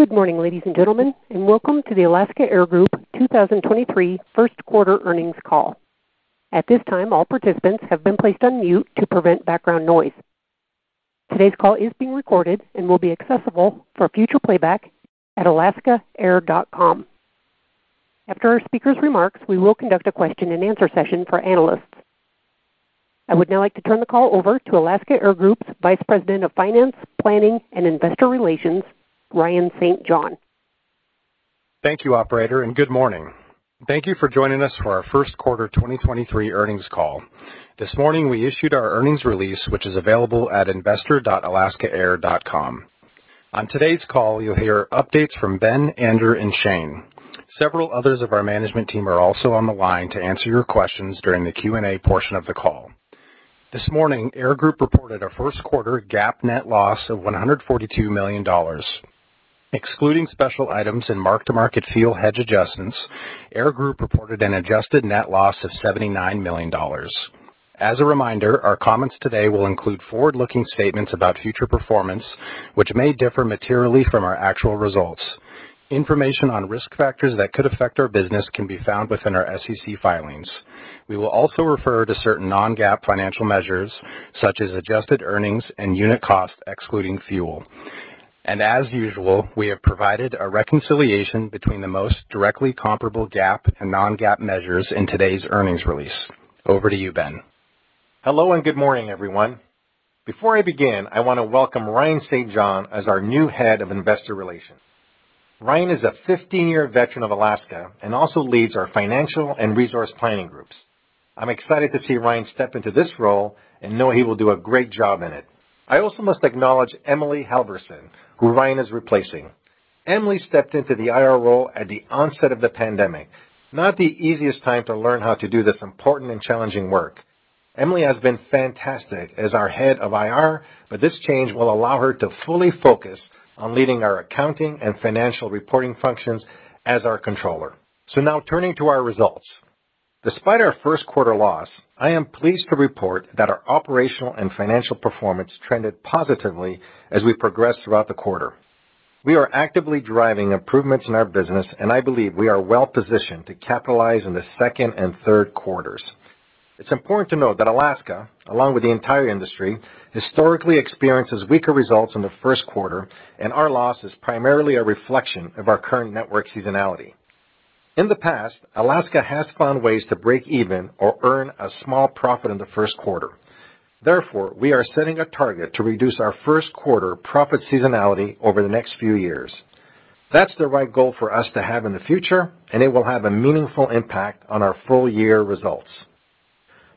Good morning, ladies and gentlemen, and welcome to the Alaska Air Group 2023 First Quarter Earnings Call. At this time, all participants have been placed on mute to prevent background noise. Today's call is being recorded and will be accessible for future playback at alaskaair.com. After our speakers' remarks, we will conduct a question-and-answer session for analysts. I would now like to turn the call over to Alaska Air Group's Vice President of Finance, Planning, and Investor Relations, Ryan St. John. Thank you, operator. Good morning. Thank you for joining us for our first quarter 2023 earnings call. This morning, we issued our earnings release, which is available at investor.alaskaair.com. On today's call, you'll hear updates from Ben, Andrew, and Shane. Several others of our management team are also on the line to answer your questions during the Q&A portion of the call. This morning, Air Group reported a first quarter GAAP net loss of $142 million. Excluding special items and mark-to-market fuel hedge adjustments, Air Group reported an adjusted net loss of $79 million. As a reminder, our comments today will include forward-looking statements about future performance, which may differ materially from our actual results. Information on risk factors that could affect our business can be found within our SEC filings. We will also refer to certain non-GAAP financial measures, such as adjusted earnings and unit cost, excluding fuel. As usual, we have provided a reconciliation between the most directly comparable GAAP and non-GAAP measures in today's earnings release. Over to you, Ben. Hello and good morning, everyone. Before I begin, I want to welcome Ryan St. John as our new Head of Investor Relations. Ryan is a 15-year veteran of Alaska and also leads our financial and resource planning groups. I'm excited to see Ryan step into this role and know he will do a great job in it. I also must acknowledge Emily Halverson, who Ryan is replacing. Emily stepped into the IR role at the onset of the pandemic, not the easiest time to learn how to do this important and challenging work. Emily has been fantastic as our Head of IR, but this change will allow her to fully focus on leading our accounting and financial reporting functions as our Controller. Now turning to our results. Despite our first quarter loss, I am pleased to report that our operational and financial performance trended positively as we progressed throughout the quarter. We are actively driving improvements in our business, and I believe we are well-positioned to capitalize in the second and third quarters. It's important to note that Alaska, along with the entire industry, historically experiences weaker results in the first quarter, and our loss is primarily a reflection of our current network seasonality. In the past, Alaska has found ways to break even or earn a small profit in the first quarter. Therefore, we are setting a target to reduce our first quarter profit seasonality over the next few years. That's the right goal for us to have in the future, and it will have a meaningful impact on our full-year results.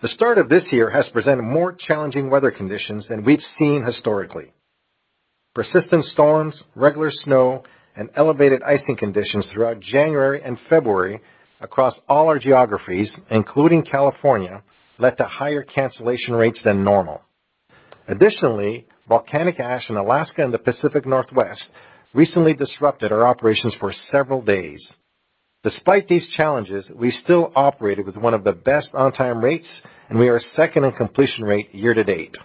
The start of this year has presented more challenging weather conditions than we've seen historically. Persistent storms, regular snow, and elevated icing conditions throughout January and February across all our geographies, including California, led to higher cancellation rates than normal. Additionally, volcanic ash in Alaska and the Pacific Northwest recently disrupted our operations for several days. Despite these challenges, we still operated with one of the best on-time rates, and we are second in completion rate year-to-date.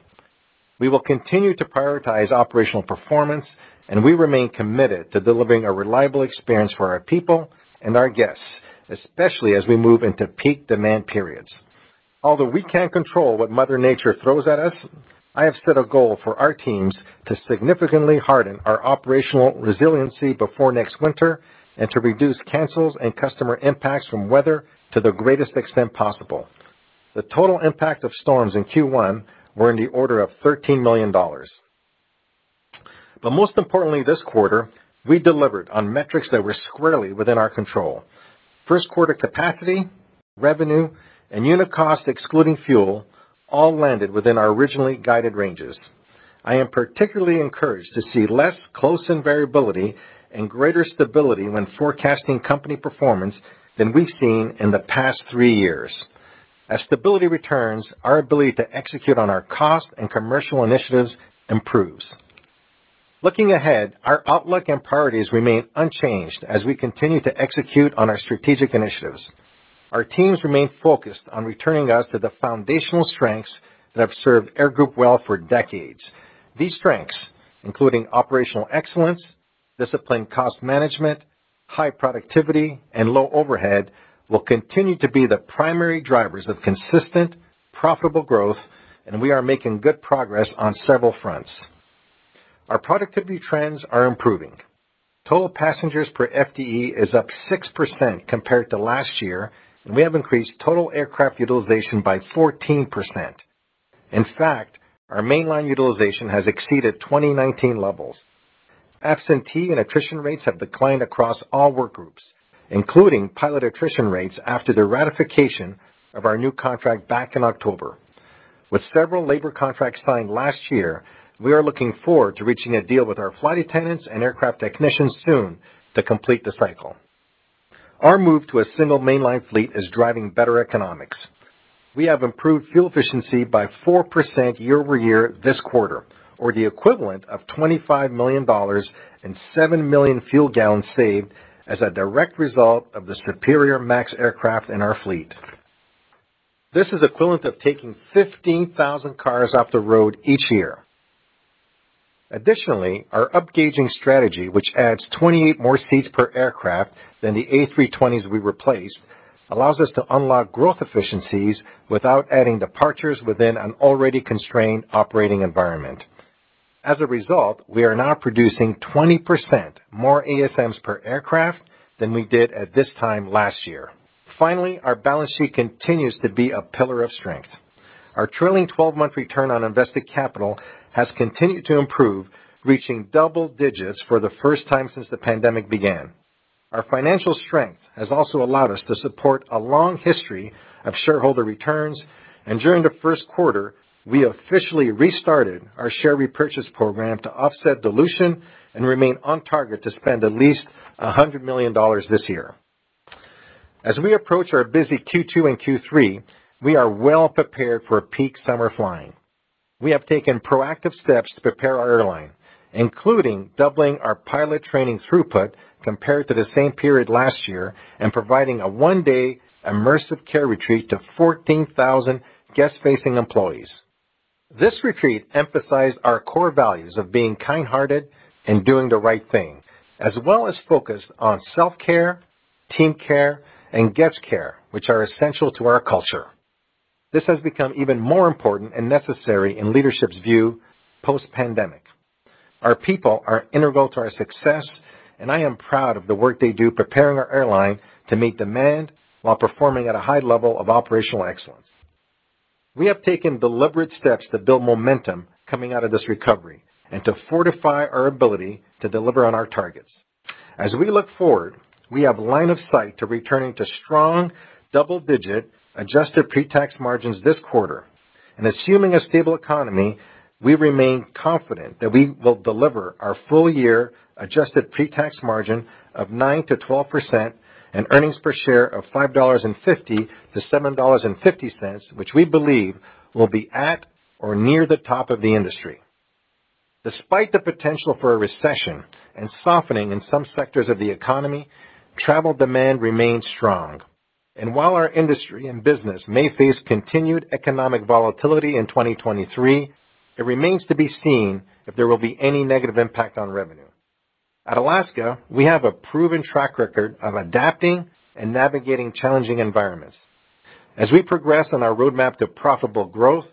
We will continue to prioritize operational performance, and we remain committed to delivering a reliable experience for our people and our guests, especially as we move into peak demand periods. Although we can't control what Mother Nature throws at us, I have set a goal for our teams to significantly harden our operational resiliency before next winter and to reduce cancels and customer impacts from weather to the greatest extent possible. The total impact of storms in Q1 were in the order of $13 million. Most importantly this quarter, we delivered on metrics that were squarely within our control. First quarter capacity, revenue, and unit cost excluding fuel all landed within our originally guided ranges. I am particularly encouraged to see less close-in variability and greater stability when forecasting company performance than we've seen in the past three years. Stability returns, our ability to execute on our cost and commercial initiatives improves. Looking ahead, our outlook and priorities remain unchanged as we continue to execute on our strategic initiatives. Our teams remain focused on returning us to the foundational strengths that have served Air Group well for decades. These strengths, including operational excellence, disciplined cost management, high productivity, and low overhead, will continue to be the primary drivers of consistent, profitable growth. We are making good progress on several fronts. Our productivity trends are improving. Total passengers per FTE is up 6% compared to last year. We have increased total aircraft utilization by 14%. In fact, our mainline utilization has exceeded 2019 levels. Absentee and attrition rates have declined across all work groups, including pilot attrition rates after the ratification of our new contract back in October. With several labor contracts signed last year, we are looking forward to reaching a deal with our flight attendants and aircraft technicians soon to complete the cycle. Our move to a single mainline fleet is driving better economics. We have improved fuel efficiency by 4% year-over-year this quarter, or the equivalent of $25 million and 7 million fuel gallons saved as a direct result of the superior MAX aircraft in our fleet. This is equivalent of taking 15,000 cars off the road each year. Our upgauging strategy, which adds 28 more seats per aircraft than the A320s we replaced, allows us to unlock growth efficiencies without adding departures within an already constrained operating environment. We are now producing 20% more ASMs per aircraft than we did at this time last year. Our balance sheet continues to be a pillar of strength. Our trailing twelve-month return on invested capital has continued to improve, reaching double digits for the first time since the pandemic began. Our financial strength has also allowed us to support a long history of shareholder returns. During the first quarter, we officially restarted our share repurchase program to offset dilution and remain on target to spend at least $100 million this year. As we approach our busy Q2 and Q3, we are well prepared for a peak summer flying. We have taken proactive steps to prepare our airline, including doubling our pilot training throughput compared to the same period last year and providing a one-day immersive care retreat to 14,000 guest-facing employees. This retreat emphasized our core values of being kind-hearted and doing the right thing, as well as focused on self-care, team care, and guest care, which are essential to our culture. This has become even more important and necessary in leadership's view post-pandemic. Our people are integral to our success, and I am proud of the work they do preparing our airline to meet demand while performing at a high level of operational excellence. We have taken deliberate steps to build momentum coming out of this recovery and to fortify our ability to deliver on our targets. As we look forward, we have line of sight to returning to strong double-digit adjusted pre-tax margins this quarter. Assuming a stable economy, we remain confident that we will deliver our full year adjusted pre-tax margin of 9%-12% and earnings per share of $5.50-$7.50, which we believe will be at or near the top of the industry. Despite the potential for a recession and softening in some sectors of the economy, travel demand remains strong. While our industry and business may face continued economic volatility in 2023, it remains to be seen if there will be any negative impact on revenue. At Alaska, we have a proven track record of adapting and navigating challenging environments. As we progress on our roadmap to profitable growth,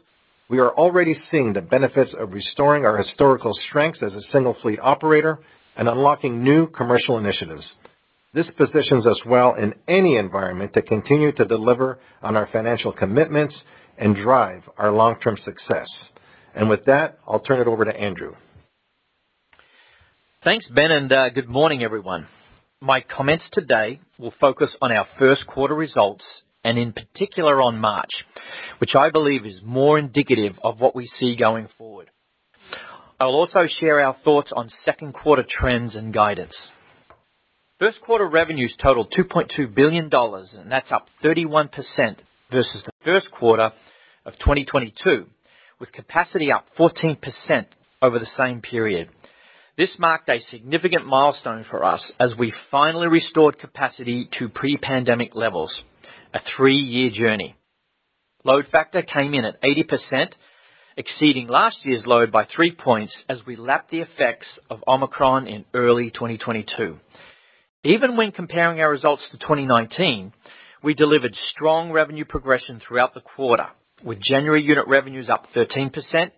we are already seeing the benefits of restoring our historical strengths as a single fleet operator and unlocking new commercial initiatives. This positions us well in any environment to continue to deliver on our financial commitments and drive our long-term success. With that, I'll turn it over to Andrew. Thanks, Ben. Good morning, everyone. My comments today will focus on our first quarter results and in particular on March, which I believe is more indicative of what we see going forward. I'll also share our thoughts on second quarter trends and guidance. First quarter revenues totaled $2.2 billion. That's up 31% versus the first quarter of 2022, with capacity up 14% over the same period. This marked a significant milestone for us as we finally restored capacity to pre-pandemic levels, a three-year journey. Load factor came in at 80%, exceeding last year's load by three points as we lapped the effects of Omicron in early 2022. Even when comparing our results to 2019, we delivered strong revenue progression throughout the quarter, with January unit revenues up 13%,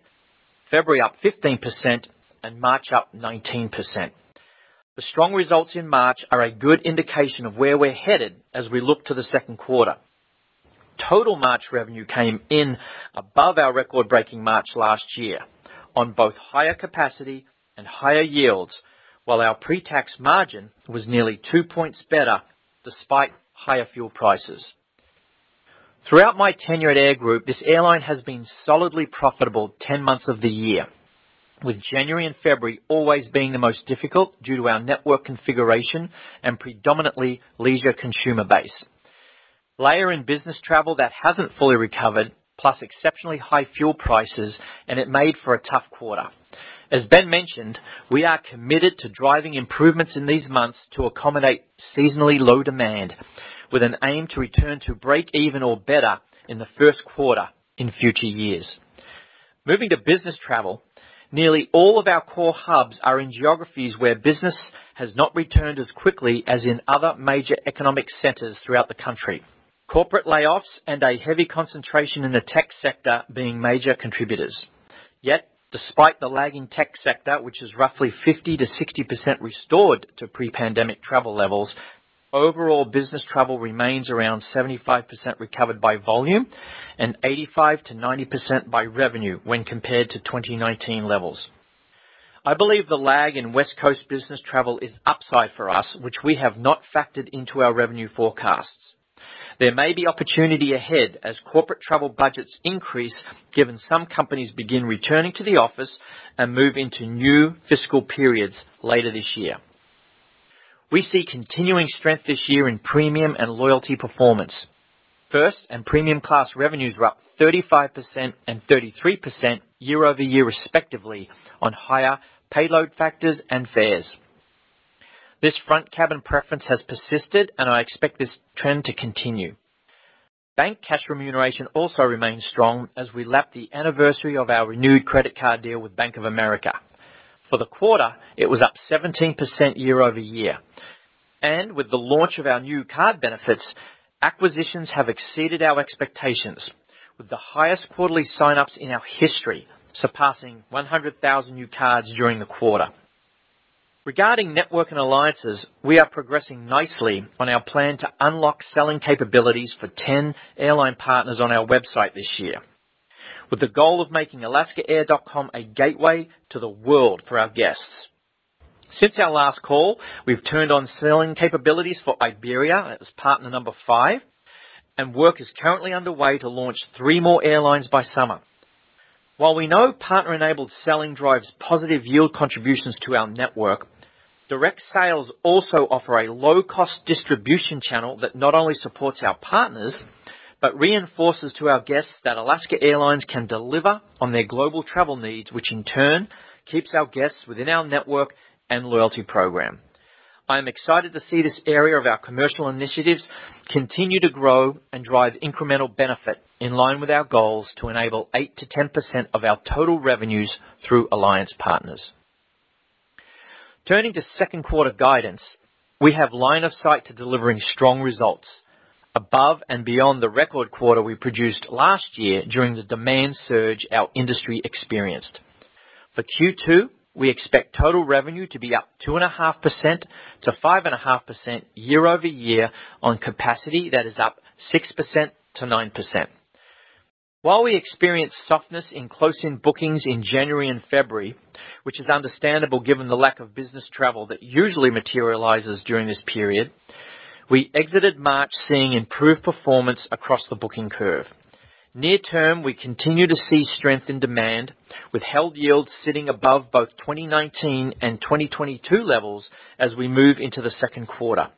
February up 15%, and March up 19%. The strong results in March are a good indication of where we're headed as we look to the second quarter. Total March revenue came in above our record-breaking March last year on both higher capacity and higher yields, while our pre-tax margin was nearly two points better despite higher fuel prices. Throughout my tenure at Air Group, this airline has been solidly profitable 10 months of the year, with January and February always being the most difficult due to our network configuration and predominantly leisure consumer base. It made for a tough quarter. As Ben mentioned, we are committed to driving improvements in these months to accommodate seasonally low demand with an aim to return to break even or better in the first quarter in future years. Moving to business travel, nearly all of our core hubs are in geographies where business has not returned as quickly as in other major economic centers throughout the country. Corporate layoffs and a heavy concentration in the tech sector being major contributors. Despite the lagging tech sector, which is roughly 50%-60% restored to pre-pandemic travel levels, overall business travel remains around 75% recovered by volume and 85%-90% by revenue when compared to 2019 levels. I believe the lag in West Coast business travel is upside for us, which we have not factored into our revenue forecasts. There may be opportunity ahead as corporate travel budgets increase, given some companies begin returning to the office and move into new fiscal periods later this year. We see continuing strength this year in premium and loyalty performance. First and premium class revenues were up 35% and 33% year-over-year, respectively, on higher payload factors and fares. This front cabin preference has persisted, and I expect this trend to continue. Bank cash remuneration also remains strong as we lap the anniversary of our renewed credit card deal with Bank of America. For the quarter, it was up 17% year-over-year. With the launch of our new card benefits, acquisitions have exceeded our expectations, with the highest quarterly sign-ups in our history, surpassing 100,000 new cards during the quarter. Regarding network and alliances, we are progressing nicely on our plan to unlock selling capabilities for 10 airline partners on our website this year, with the goal of making alaskaair.com a gateway to the world for our guests. Since our last call, we've turned on selling capabilities for Iberia as partner number five, and work is currently underway to launch three more airlines by summer. While we know partner-enabled selling drives positive yield contributions to our network, direct sales also offer a low-cost distribution channel that not only supports our partners, but reinforces to our guests that Alaska Airlines can deliver on their global travel needs, which in turn keeps our guests within our network and loyalty program. I am excited to see this area of our commercial initiatives continue to grow and drive incremental benefit in line with our goals to enable 8%-10% of our total revenues through alliance partners. Turning to second quarter guidance, we have line of sight to delivering strong results above and beyond the record quarter we produced last year during the demand surge our industry experienced. For Q2, we expect total revenue to be up 2.5%-5.5% year-over-year on capacity that is up 6%-9%. While we experienced softness in close-in bookings in January and February, which is understandable given the lack of business travel that usually materializes during this period, we exited March seeing improved performance across the booking curve. Near term, we continue to see strength in demand, with held yields sitting above both 2019 and 2022 levels as we move into the second quarter.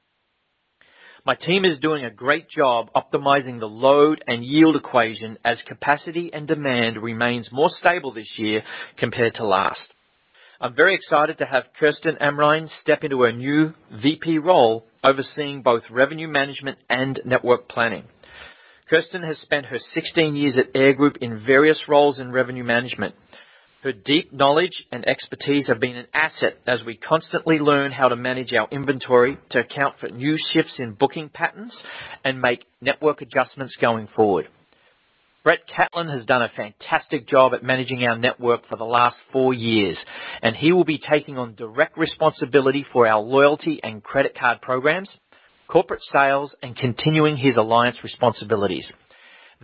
My team is doing a great job optimizing the load and yield equation as capacity and demand remains more stable this year compared to last. I'm very excited to have Kirsten Amrine step into her new VP role overseeing both Revenue Management and Network Planning. Kirsten has spent her 16 years at Air Group in various roles in revenue management. Her deep knowledge and expertise have been an asset as we constantly learn how to manage our inventory to account for new shifts in booking patterns and make network adjustments going forward. Brett Catlin has done a fantastic job at managing our network for the last four years, and he will be taking on direct responsibility for our loyalty and credit card programs, corporate sales, and continuing his alliance responsibilities.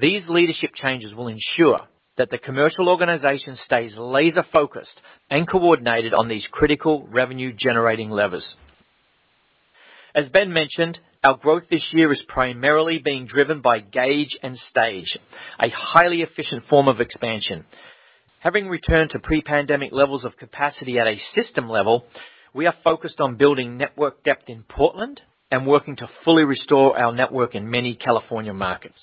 These leadership changes will ensure that the commercial organization stays laser-focused and coordinated on these critical revenue-generating levers. As Ben mentioned, our growth this year is primarily being driven by gauge and stage, a highly efficient form of expansion. Having returned to pre-pandemic levels of capacity at a system level, we are focused on building network depth in Portland and working to fully restore our network in many California markets.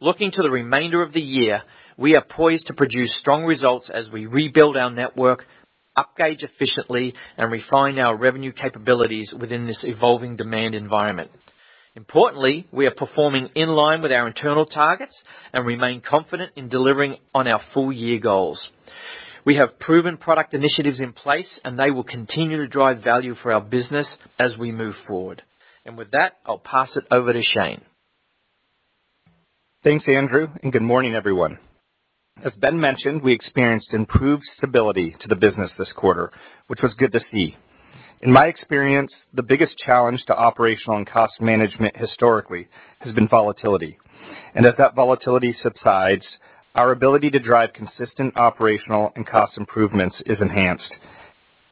Looking to the remainder of the year, we are poised to produce strong results as we rebuild our network, up gauge efficiently, and refine our revenue capabilities within this evolving demand environment. Importantly, we are performing in line with our internal targets and remain confident in delivering on our full-year goals. We have proven product initiatives in place, and they will continue to drive value for our business as we move forward. With that, I'll pass it over to Shane. Thanks, Andrew. Good morning, everyone. As Ben mentioned, we experienced improved stability to the business this quarter, which was good to see. In my experience, the biggest challenge to operational and cost management historically has been volatility. As that volatility subsides, our ability to drive consistent operational and cost improvements is enhanced.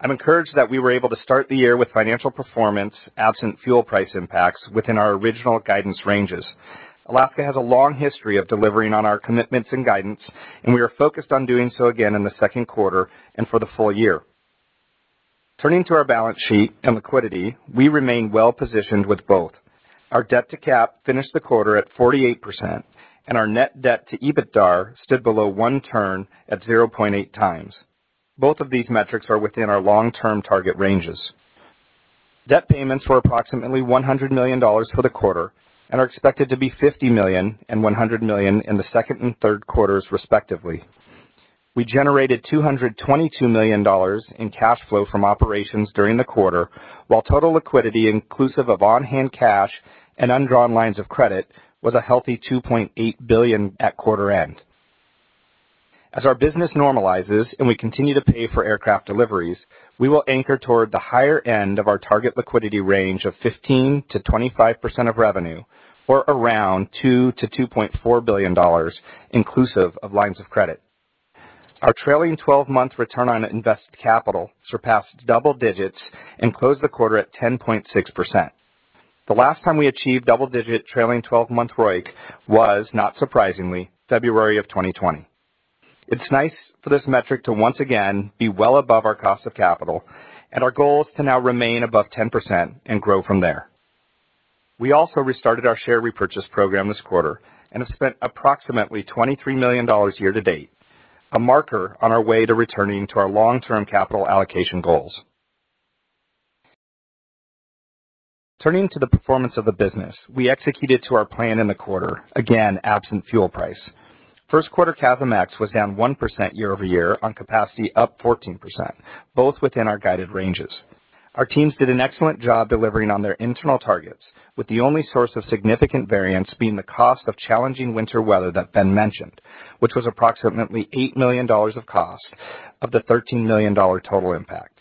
I'm encouraged that we were able to start the year with financial performance, absent fuel price impacts, within our original guidance ranges. Alaska has a long history of delivering on our commitments and guidance. We are focused on doing so again in the second quarter and for the full year. Turning to our balance sheet and liquidity, we remain well-positioned with both. Our debt to cap finished the quarter at 48%, and our net debt to EBITDAR stood below one turn at 0.8 times. Both of these metrics are within our long-term target ranges. Debt payments were approximately $100 million for the quarter and are expected to be $50 million and $100 million in the second and third quarters, respectively. We generated $222 million in cash flow from operations during the quarter, while total liquidity, inclusive of on-hand cash and undrawn lines of credit, was a healthy $2.8 billion at quarter end. As our business normalizes and we continue to pay for aircraft deliveries, we will anchor toward the higher end of our target liquidity range of 15%-25% of revenue or around $2 billion-$2.4 billion inclusive of lines of credit. Our trailing-twelve-month return on invested capital surpassed double digits and closed the quarter at 10.6%. The last time we achieved double-digit trailing twelve-month ROIC was, not surprisingly, February of 2020. It's nice for this metric to once again be well above our cost of capital and our goal is to now remain above 10% and grow from there. We also restarted our share repurchase program this quarter and have spent approximately $23 million year-to-date, a marker on our way to returning to our long-term capital allocation goals. Turning to the performance of the business, we executed to our plan in the quarter, again, absent fuel price. First quarter CASM-ex was down 1% year-over-year on capacity up 14%, both within our guided ranges. Our teams did an excellent job delivering on their internal targets, with the only source of significant variance being the cost of challenging winter weather that Ben mentioned, which was approximately $8 million of cost of the $13 million total impact.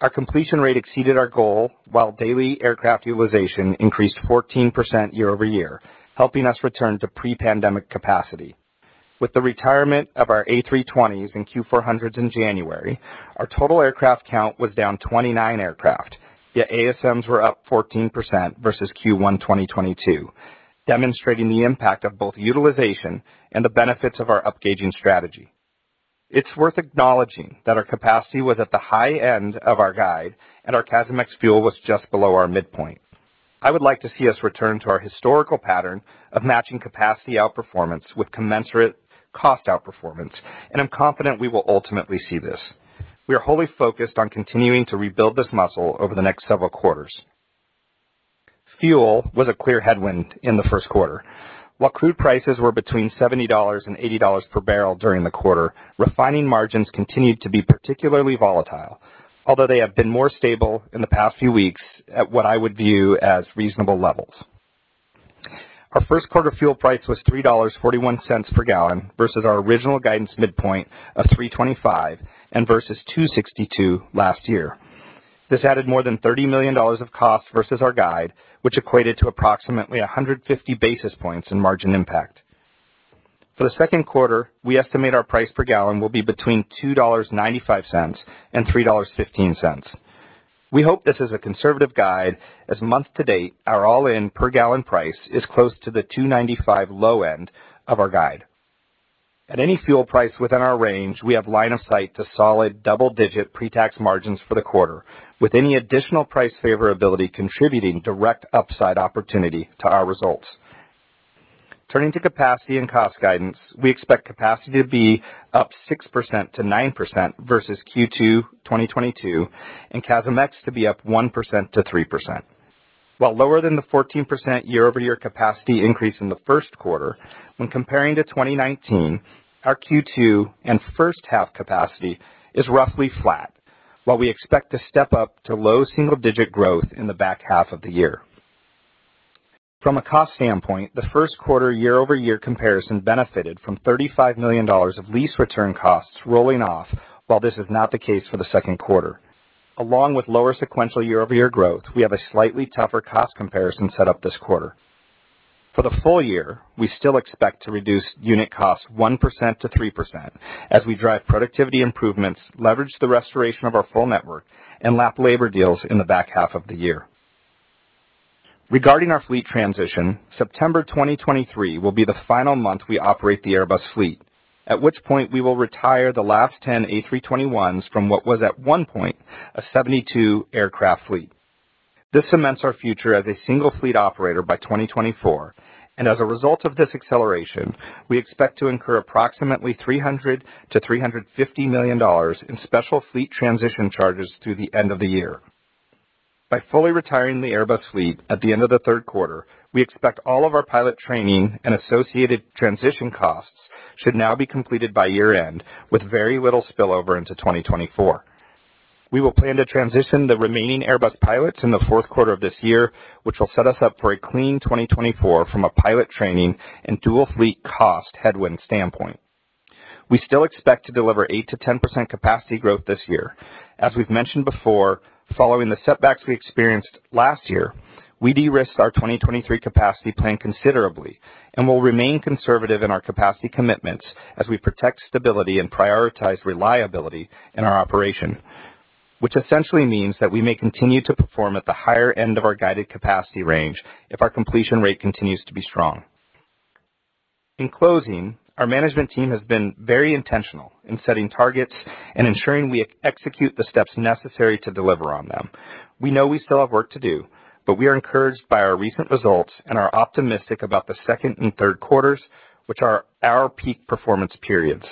Our completion rate exceeded our goal, while daily aircraft utilization increased 14% year-over-year, helping us return to pre-pandemic capacity. With the retirement of our A320s and Q400s in January, our total aircraft count was down 29 aircraft, yet ASMs were up 14% versus Q1 2022, demonstrating the impact of both utilization and the benefits of our upgauging strategy. It's worth acknowledging that our capacity was at the high end of our guide and our CASM-ex fuel was just below our midpoint. I would like to see us return to our historical pattern of matching capacity outperformance with commensurate cost outperformance, and I'm confident we will ultimately see this. We are wholly focused on continuing to rebuild this muscle over the next several quarters. Fuel was a clear headwind in the first quarter. While crude prices were between $70 and $80 per barrel during the quarter, refining margins continued to be particularly volatile, although they have been more stable in the past few weeks at what I would view as reasonable levels. Our first quarter fuel price was $3.41 per gallon versus our original guidance midpoint of $3.25 and versus $2.62 last year. This added more than $30 million of cost versus our guide, which equated to approximately 150 basis points in margin impact. For the second quarter, we estimate our price per gallon will be between $2.95 and $3.15. We hope this is a conservative guide as month to date our all-in per gallon price is close to the $2.95 low end of our guide. At any fuel price within our range, we have line of sight to solid double-digit pre-tax margins for the quarter, with any additional price favorability contributing direct upside opportunity to our results. Turning to capacity and cost guidance, we expect capacity to be up 6% to 9% versus Q2 2022 and CASM-ex to be up 1% to 3%. While lower than the 14% year-over-year capacity increase in the first quarter, when comparing to 2019, our Q2 and first half capacity is roughly flat, while we expect to step up to low single-digit growth in the back half of the year. From a cost standpoint, the first quarter year-over-year comparison benefited from $35 million of lease return costs rolling off, while this is not the case for the second quarter. Along with lower sequential year-over-year growth, we have a slightly tougher cost comparison set up this quarter. For the full year, we still expect to reduce unit costs 1%-3% as we drive productivity improvements, leverage the restoration of our full network, and lap labor deals in the back half of the year. Regarding our fleet transition, September 2023 will be the final month we operate the Airbus fleet, at which point we will retire the last 10 A321s from what was at one point a 72 aircraft fleet. This cements our future as a single fleet operator by 2024. As a result of this acceleration, we expect to incur approximately $300 million-$350 million in special fleet transition charges through the end of the year. By fully retiring the Airbus fleet at the end of the third quarter, we expect all of our pilot training and associated transition costs should now be completed by year-end with very little spillover into 2024. We will plan to transition the remaining Airbus pilots in the fourth quarter of this year, which will set us up for a clean 2024 from a pilot training and dual fleet cost headwind standpoint. We still expect to deliver 8%-10% capacity growth this year. As we've mentioned before, following the setbacks we experienced last year, we de-risked our 2023 capacity plan considerably and will remain conservative in our capacity commitments as we protect stability and prioritize reliability in our operation, which essentially means that we may continue to perform at the higher end of our guided capacity range if our completion rate continues to be strong. In closing, our management team has been very intentional in setting targets and ensuring we execute the steps necessary to deliver on them. We know we still have work to do, but we are encouraged by our recent results and are optimistic about the second and third quarters, which are our peak performance periods.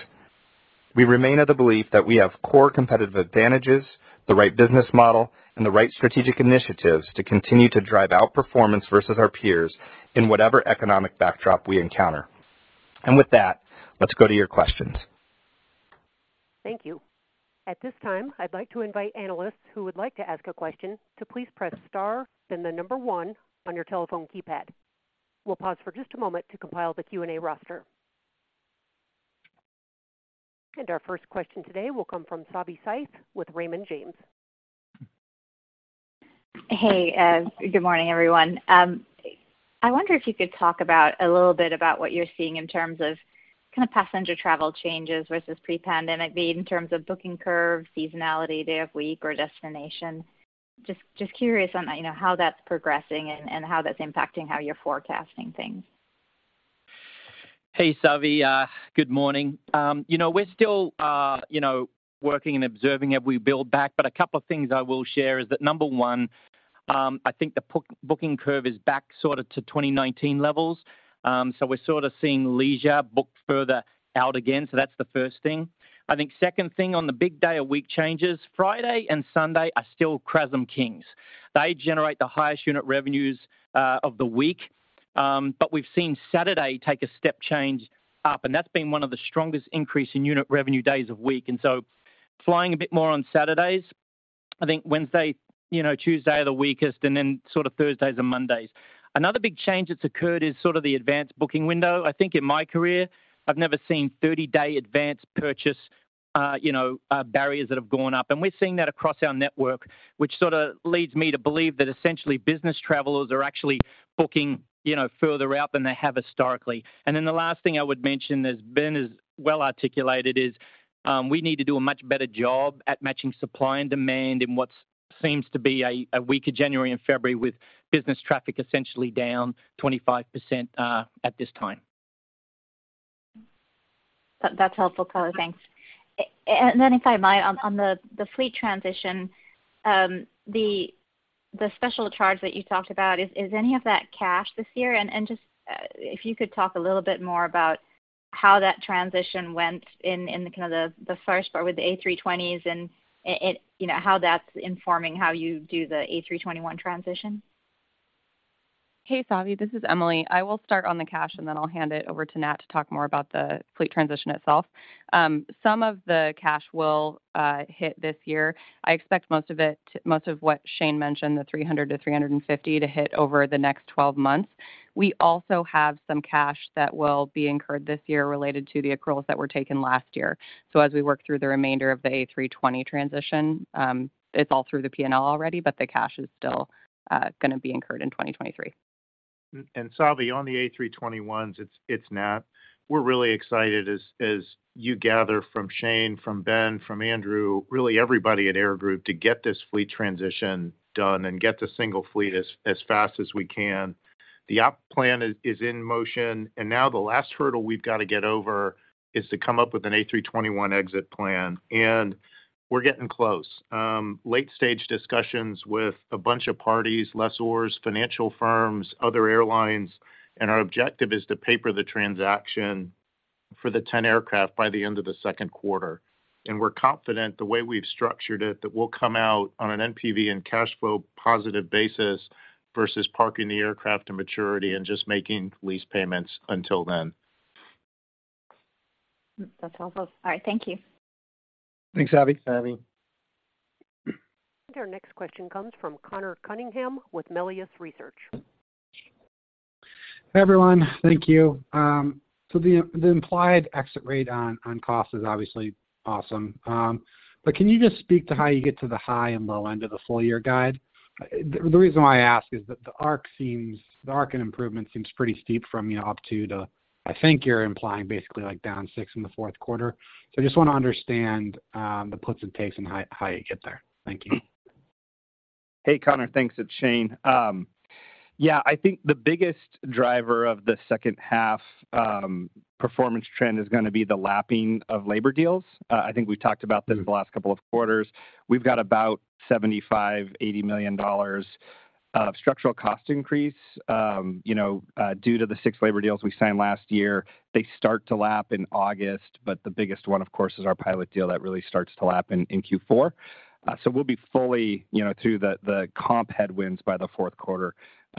We remain of the belief that we have core competitive advantages, the right business model, and the right strategic initiatives to continue to drive outperformance versus our peers in whatever economic backdrop we encounter. With that, let's go to your questions. Thank you. At this time, I'd like to invite analysts who would like to ask a question to please press star, then the number one on your telephone keypad. We'll pause for just a moment to compile the Q&A roster. Our first question today will come from Savi Syth with Raymond James. Hey, good morning, everyone. I wonder if you could talk about, a little bit about what you're seeing in terms of kinda passenger travel changes versus pre-pandemic, be it in terms of booking curve, seasonality, day of week, or destination. Just curious on, you know, how that's progressing and how that's impacting how you're forecasting things. Hey, Savi, good morning. You know, we're still, you know, working and observing as we build back, but a couple of things I will share is that number one, I think the booking curve is back sort of to 2019 levels. We're sort of seeing leisure booked further out again. That's the first thing. I think second thing on the big day or week changes, Friday and Sunday are still [RASM] kings. They generate the highest unit revenues of the week. We've seen Saturday take a step change up, and that's been one of the strongest increase in unit revenue days of week. Flying a bit more on Saturdays. I think Wednesday, you know, Tuesday are the weakest, and then sort of Thursdays and Mondays. Another big change that's occurred is sort of the advanced booking window. I think in my career, I've never seen 30-day advance purchase, you know, barriers that have gone up. We're seeing that across our network, which sort of leads me to believe that essentially business travelers are actually booking, you know, further out than they have historically. Then the last thing I would mention, as Ben has well articulated, is, we need to do a much better job at matching supply and demand in what seems to be a weaker January and February with business traffic essentially down 25%, at this time. That's helpful color. Thanks. If I might, on the fleet transition, the special charge that you talked about, is any of that cash this year? Just if you could talk a little bit more about how that transition went in the kind of the first part with the A320s and, you know, how that's informing how you do the A321 transition? Hey, Savi, this is Emily. I will start on the cash, and then I'll hand it over to Nat to talk more about the fleet transition itself. some of the cash will hit this year. I expect most of it, most of what Shane mentioned, the $300-$350, to hit over the next 12 months. We also have some cash that will be incurred this year related to the accruals that were taken last year. As we work through the remainder of the A320 transition, it's all through the P&L already, but the cash is still gonna be incurred in 2023. Savi, on the A321s, it's Nat. We're really excited as you gather from Shane, from Ben, from Andrew, really everybody at Air Group, to get this fleet transition done and get to single fleet as fast as we can. The op plan is in motion, and now the last hurdle we've got to get over is to come up with an A321 exit plan. We're getting close. Late-stage discussions with a bunch of parties, lessors, financial firms, other airlines, and our objective is to paper the transaction for the 10 aircraft by the end of the second quarter. And we're confident the way we've structured it, that we'll come out on an NPV and cash flow positive basis versus parking the aircraft to maturity and just making lease payments until then. That's helpful. All right. Thank you. Thanks, Savi. Savi. Our next question comes from Conor Cunningham with Melius Research. Everyone, thank you. The implied exit rate on cost is obviously awesome. Can you just speak to how you get to the high and low end of the full year guide? The reason why I ask is that the ARC in improvement seems pretty steep from, you know, up to the, I think you're implying basically like down 6% in the fourth quarter. I just wanna understand the puts and takes and how you get there. Thank you. Hey, Conor, thanks. It's Shane. Yeah, I think the biggest driver of the second half performance trend is gonna be the lapping of labor deals. I think we talked about this the last couple of quarters. We've got about $75 million-$80 million of structural cost increase, you know, due to the six labor deals we signed last year. They start to lap in August, but the biggest one, of course, is our pilot deal that really starts to lap in Q4. So we'll be fully, you know, through the comp headwinds by the fourth quarter.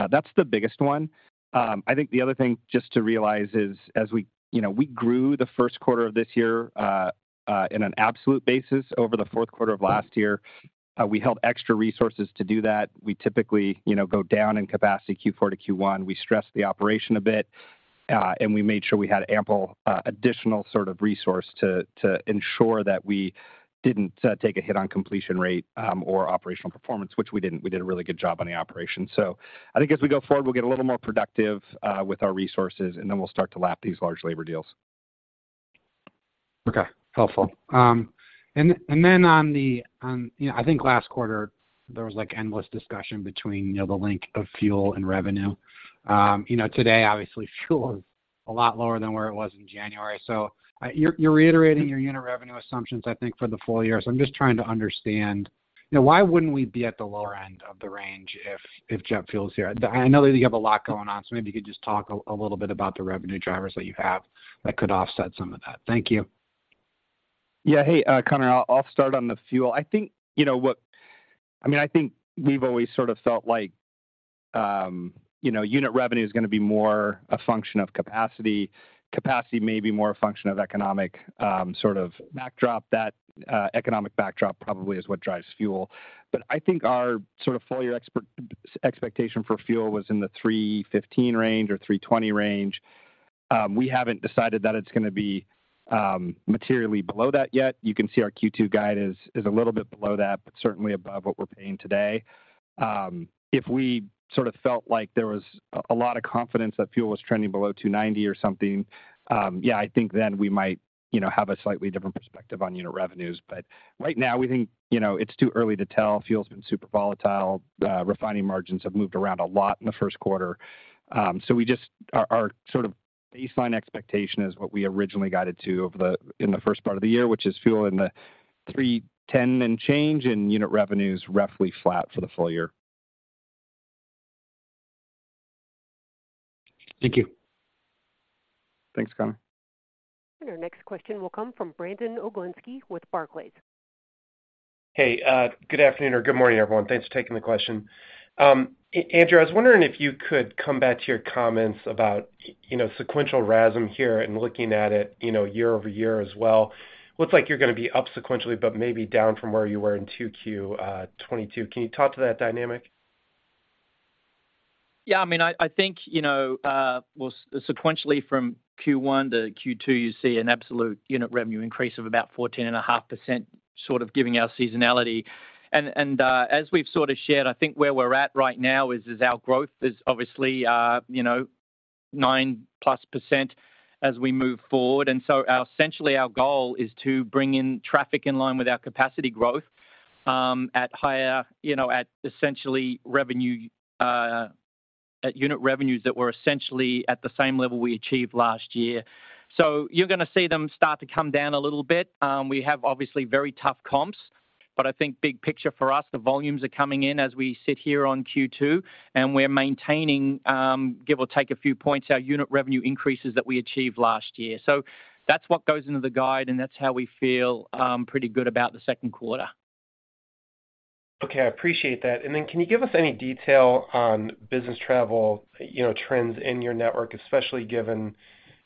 That's the biggest one. I think the other thing just to realize is you know, we grew the first quarter of this year in an absolute basis over the fourth quarter of last year. We held extra resources to do that. We typically, you know, go down in capacity Q4 to Q1. We stressed the operation a bit, and we made sure we had ample additional sort of resource to ensure that we didn't take a hit on completion rate or operational performance, which we didn't. We did a really good job on the operation. I think as we go forward, we'll get a little more productive with our resources, and then we'll start to lap these large labor deals. Okay. Helpful. Then on the, you know, I think last quarter there was, like, endless discussion between, you know, the link of fuel and revenue. You know, today, obviously, fuel is a lot lower than where it was in January. You're reiterating your unit revenue assumptions, I think, for the full year. I'm just trying to understand, you know, why wouldn't we be at the lower end of the range if jet fuel is here? I know that you have a lot going on, so maybe you could just talk a little bit about the revenue drivers that you have that could offset some of that. Thank you. Hey, Conor, I'll start on the fuel. I think you know I mean I think we've always sort of felt like, you know, unit revenue is gonna be more a function of capacity. Capacity may be more a function of economic, sort of backdrop. That economic backdrop probably is what drives fuel. I think our sort of full year expectation for fuel was in the $3.15 range or $3.20 range. We haven't decided that it's gonna be materially below that yet. You can see our Q2 guide is a little bit below that, but certainly above what we're paying today. If we sort of felt like there was a lot of confidence that fuel was trending below $2.90 or something, yeah, I think then we might, you know, have a slightly different perspective on unit revenues. Right now we think, you know, it's too early to tell. Fuel's been super volatile. Refining margins have moved around a lot in the first quarter. We just our sort of baseline expectation is what we originally guided to in the first part of the year, which is fuel in the $3.10 and change in unit revenues, roughly flat for the full year. Thank you. Thanks, Conor. Our next question will come from Brandon Oglenski with Barclays. Hey, good afternoon or good morning, everyone. Thanks for taking the question. Andrew, I was wondering if you could come back to your comments about, you know, sequential RASM here and looking at it, you know, year over year as well. Looks like you're gonna be up sequentially, but maybe down from where you were in 2Q 2022. Can you talk to that dynamic? Yeah, I mean, I think, you know, well sequentially from Q1 to Q2, you see an absolute unit revenue increase of about 14.5%, sort of giving our seasonality. As we've sort of shared, I think where we're at right now is our growth is obviously, you know, 9+% as we move forward. Essentially, our goal is to bring in traffic in line with our capacity growth, at higher, you know, at essentially revenue, at unit revenues that were essentially at the same level we achieved last year. You're gonna see them start to come down a little bit. We have obviously very tough comps, but I think big picture for us, the volumes are coming in as we sit here on Q2, and we're maintaining, give or take a few points, our unit revenue increases that we achieved last year. That's what goes into the guide, and that's how we feel pretty good about the second quarter. Okay. I appreciate that. Can you give us any detail on business travel, you know, trends in your network, especially given,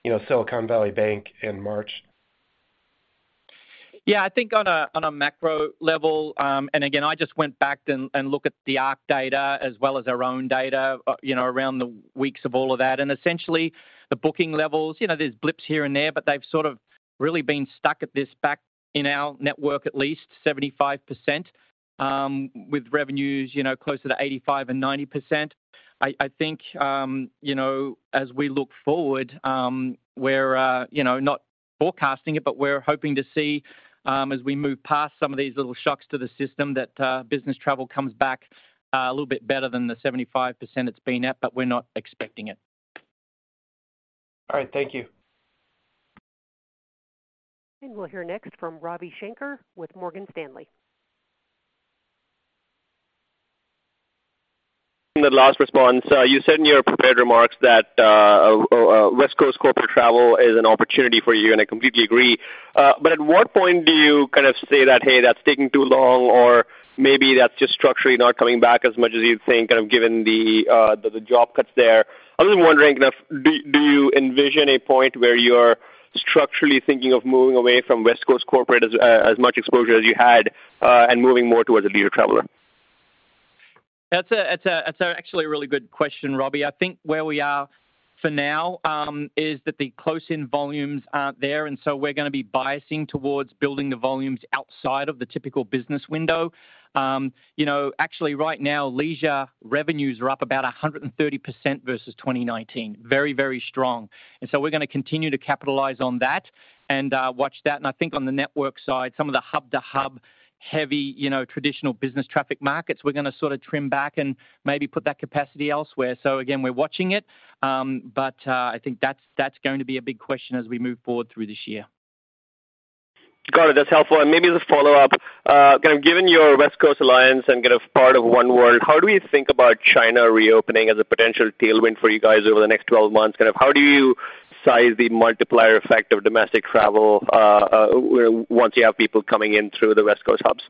you know, Silicon Valley Bank in March? Yeah, I think on a macro level, again, I just went back and look at the ARC data as well as our own data, you know, around the weeks of all of that. Essentially, the booking levels, you know, there's blips here and there, but they've sort of really been stuck at this back in our network, at least 75%, with revenues, you know, closer to 85% and 90%. I think, you know, as we look forward, we're, you know, not forecasting it, but we're hoping to see, as we move past some of these little shocks to the system that business travel comes back a little bit better than the 75% it's been at, but we're not expecting it. All right. Thank you. We'll hear next from Ravi Shanker with Morgan Stanley. In the last response, you said in your prepared remarks that West Coast corporate travel is an opportunity for you. I completely agree. At what point do you kind of say that, "Hey, that's taking too long," or maybe that's just structurally not coming back as much as you'd think, kind of given the job cuts there. I'm just wondering, do you envision a point where you're structurally thinking of moving away from West Coast corporate as much exposure as you had, and moving more towards a leisure traveler? That's actually a really good question, Ravi. I think where we are for now, is that the close-in volumes aren't there, we're gonna be biasing towards building the volumes outside of the typical business window. You know, actually right now, leisure revenues are up about 130% versus 2019. Very, very strong. We're gonna continue to capitalize on that and watch that. I think on the network side, some of the hub-to-hub heavy, you know, traditional business traffic markets, we're gonna sort of trim back and maybe put that capacity elsewhere. Again, we're watching it, I think that's going to be a big question as we move forward through this year. Got it. That's helpful. Maybe as a follow-up, kind of given your West Coast alliance and kind of part of oneworld, how do we think about China reopening as a potential tailwind for you guys over the next 12 months? Kind of how do you size the multiplier effect of domestic travel, where once you have people coming in through the West Coast hubs?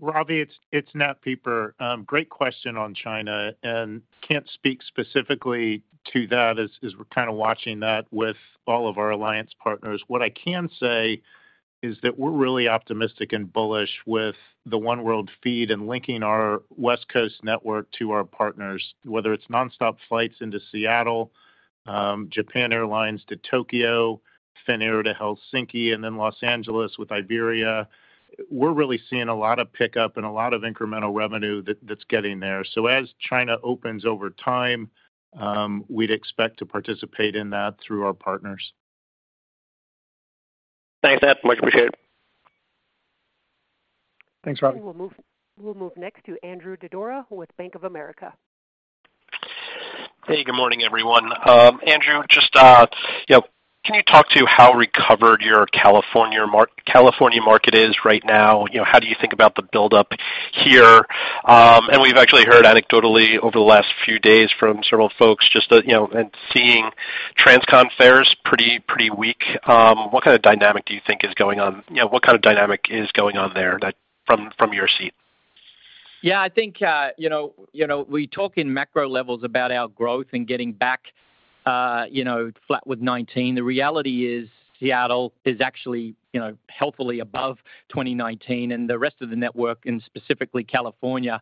Ravi, it's Nat Pieper. Great question on China, can't speak specifically to that as we're kinda watching that with all of our alliance partners. What I can say is that we're really optimistic and bullish with the oneworld feed and linking our West Coast network to our partners, whether it's nonstop flights into Seattle, Japan Airlines to Tokyo, Finnair to Helsinki, and then Los Angeles with Iberia. We're really seeing a lot of pickup and a lot of incremental revenue that's getting there. As China opens over time, we'd expect to participate in that through our partners. Thanks, Nat. Much appreciated. Thanks, Ravi. We'll move next to Andrew Didora with Bank of America. Hey, good morning, everyone. Andrew, just, you know, can you talk to how recovered your California market is right now? You know, how do you think about the buildup here? We've actually heard anecdotally over the last few days from several folks just that, you know, seeing transcon fares pretty weak. What kind of dynamic do you think is going on? You know, what kind of dynamic is going on there that from your seat? Yeah, I think, we talk in macro levels about our growth and getting back, flat with 2019. The reality is Seattle is actually, healthily above 2019, and the rest of the network, and specifically California,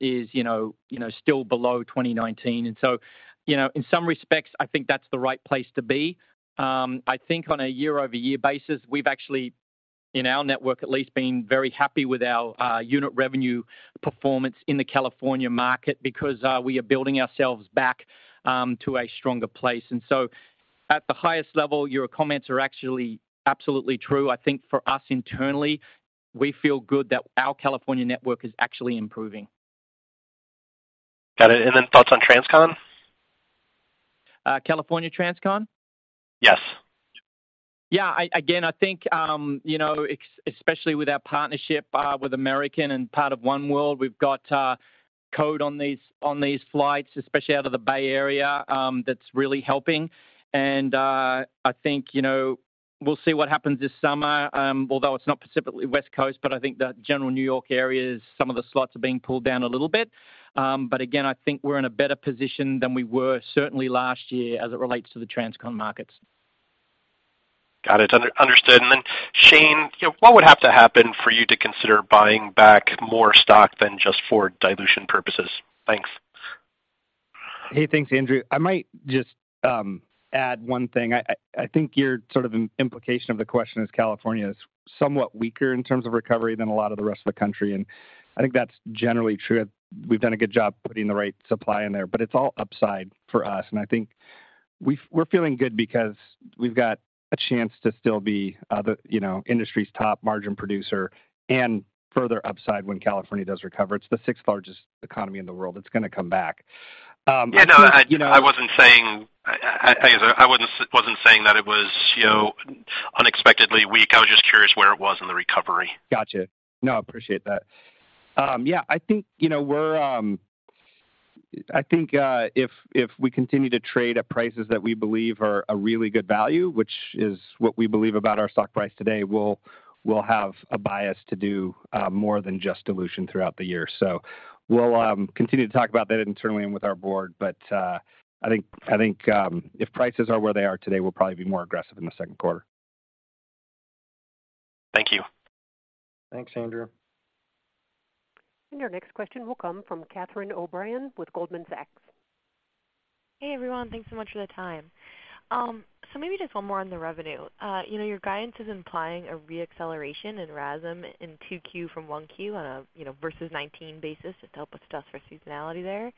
is still below 2019. In some respects, I think that's the right place to be. I think on a year-over-year basis, we've actually, in our network at least, been very happy with our unit revenue performance in the California market because we are building ourselves back to a stronger place. At the highest level, your comments are actually absolutely true. I think for us internally, we feel good that our California network is actually improving. Got it. Thoughts on Transcon? California Transcon? Yes. Yeah. Again, I think, you know, especially with our partnership with American and part of oneworld, we've got code on these flights, especially out of the Bay Area, that's really helping. I think, you know, we'll see what happens this summer, although it's not specifically West Coast, but I think the general New York areas, some of the slots are being pulled down a little bit. Again, I think we're in a better position than we were certainly last year as it relates to the Transcon markets. Got it. Under-understood. Then, Shane, you know, what would have to happen for you to consider buying back more stock than just for dilution purposes? Thanks. Hey, thanks, Andrew. I might just add one thing. I think your sort of implication of the question is California is somewhat weaker in terms of recovery than a lot of the rest of the country, I think that's generally true. We've done a good job putting the right supply in there, it's all upside for us. I think we're feeling good because we've got a chance to still be, the, you know, industry's top margin producer and further upside when California does recover. It's the sixth-largest economy in the world. It's gonna come back. I think, you know. Yeah, no, I wasn't saying. I guess I wasn't saying that it was, you know, unexpectedly weak. I was just curious where it was in the recovery. Gotcha. No, I appreciate that. Yeah, I think, you know, I think, if we continue to trade at prices that we believe are a really good value, which is what we believe about our stock price today, we'll have a bias to do more than just dilution throughout the year. We'll continue to talk about that internally and with our board. I think, if prices are where they are today, we'll probably be more aggressive in the second quarter. Thank you. Thanks, Andrew. Your next question will come from Catherine O'Brien with Goldman Sachs. Hey, everyone. Thanks so much for the time. Maybe just one more on the revenue. You know, your guidance is implying a re-acceleration in RASM in 2Q from 1Q on a, you know, versus 2019 basis to help with stuff for seasonality there.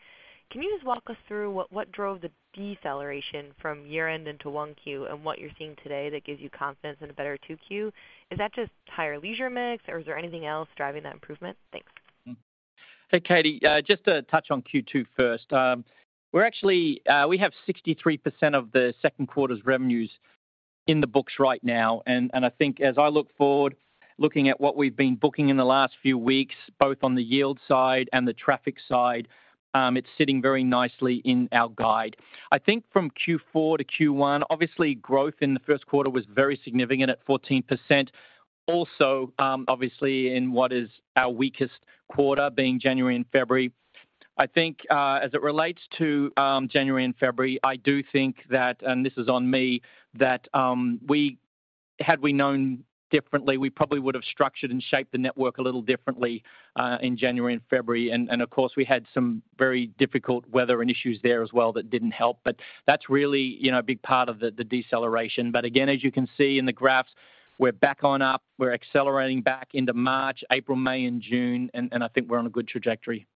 Can you just walk us through what drove the deceleration from year-end into 1Q and what you're seeing today that gives you confidence in a better 2Q? Is that just higher leisure mix, or is there anything else driving that improvement? Thanks. Hey, Catie, just to touch on Q2 first. We have 63% of the second quarter's revenues in the books right now. I think as I look forward, looking at what we've been booking in the last few weeks, both on the yield side and the traffic side, it's sitting very nicely in our guide. I think from Q4 to Q1, obviously growth in the first quarter was very significant at 14%. Also, obviously in what is our weakest quarter being January and February. I think, as it relates to January and February, I do think that, and this is on me, that, had we known differently, we probably would have structured and shaped the network a little differently in January and February. Of course, we had some very difficult weather and issues there as well that didn't help. That's really, you know, a big part of the deceleration. Again, as you can see in the graphs, we're back on up. We're accelerating back into March, April, May and June, and I think we're on a good trajectory.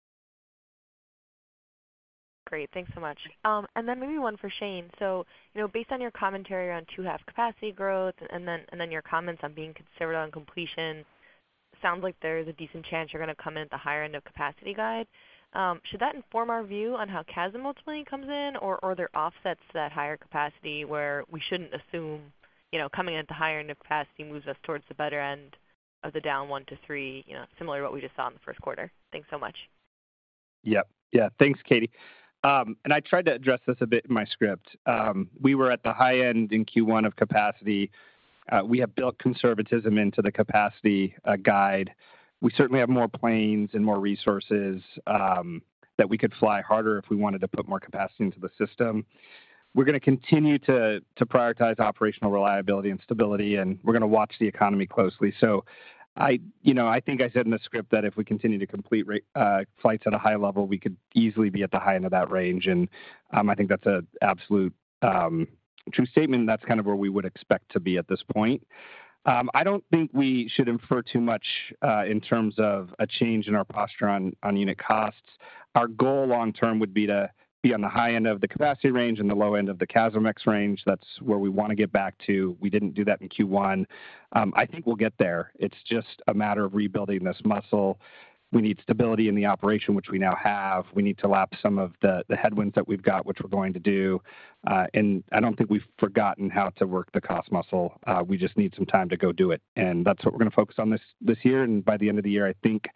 Great. Thanks so much. Maybe one for Shane. You know, based on your commentary around two-half capacity growth and then your comments on being conservative on completion, sounds like there's a decent chance you're gonna come in at the higher end of capacity guide. Should that inform our view on how CASM ultimately comes in? Are there offsets to that higher capacity where we shouldn't assume, you know, coming into higher end of capacity moves us towards the better end of the down 1%-3%, you know, similar to what we just saw in the first quarter. Thanks so much. Yep. Yeah. Thanks, Catie. I tried to address this a bit in my script. We were at the high end in Q1 of capacity. We have built conservatism into the capacity guide. We certainly have more planes and more resources that we could fly harder if we wanted to put more capacity into the system. We're gonna continue to prioritize operational reliability and stability, and we're gonna watch the economy closely. I, you know, I think I said in the script that if we continue to complete flights at a high level, we could easily be at the high end of that range. I think that's an absolute true statement, and that's kind of where we would expect to be at this point. I don't think we should infer too much in terms of a change in our posture on unit costs. Our goal long term would be to be on the high end of the capacity range and the low end of the CASM-ex range. That's where we wanna get back to. We didn't do that in Q1. I think we'll get there. It's just a matter of rebuilding this muscle. We need stability in the operation, which we now have. We need to lap some of the headwinds that we've got, which we're going to do. I don't think we've forgotten how to work the cost muscle. We just need some time to go do it, that's what we're gonna focus on this year. By the end of the year, I think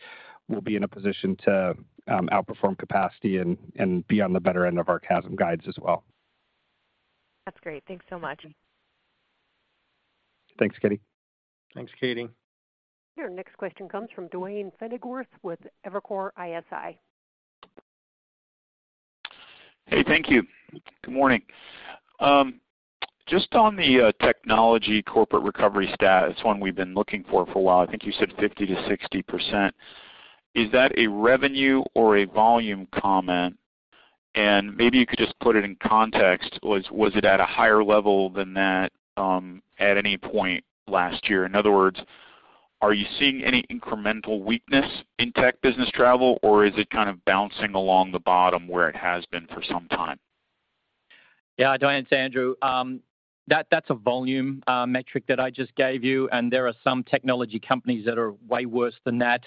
we'll be in a position to outperform capacity and be on the better end of our CASM guides as well. That's great. Thanks so much. Thanks, Catie. Thanks, Catie. Your next question comes from Duane Pfennigwerth with Evercore ISI. Hey, thank you. Good morning. Just on the technology corporate recovery stat, it's one we've been looking for for a while. I think you said 50%-60%. Is that a revenue or a volume comment? Maybe you could just put it in context. Was it at a higher level than that at any point last year? In other words, are you seeing any incremental weakness in tech business travel, or is it kind of bouncing along the bottom where it has been for some time? Yeah, Duane, it's Andrew. That's a volume metric that I just gave you. There are some technology companies that are way worse than that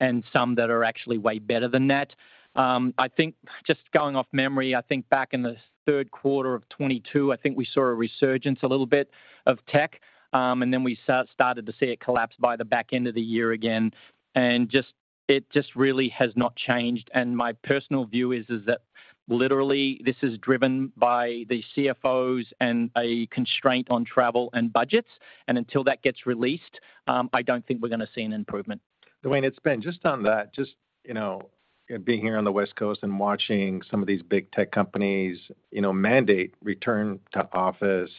and some that are actually way better than that. I think just going off memory, I think back in the third quarter of 2022, I think we saw a resurgence a little bit of tech, then we started to see it collapse by the back end of the year again. It just really has not changed. My personal view is that literally this is driven by the CFOs and a constraint on travel and budgets. Until that gets released, I don't think we're gonna see an improvement. Duane, it's Ben. Just on that, just, you know, being here on the West Coast and watching some of these big tech companies, you know, mandate return to office,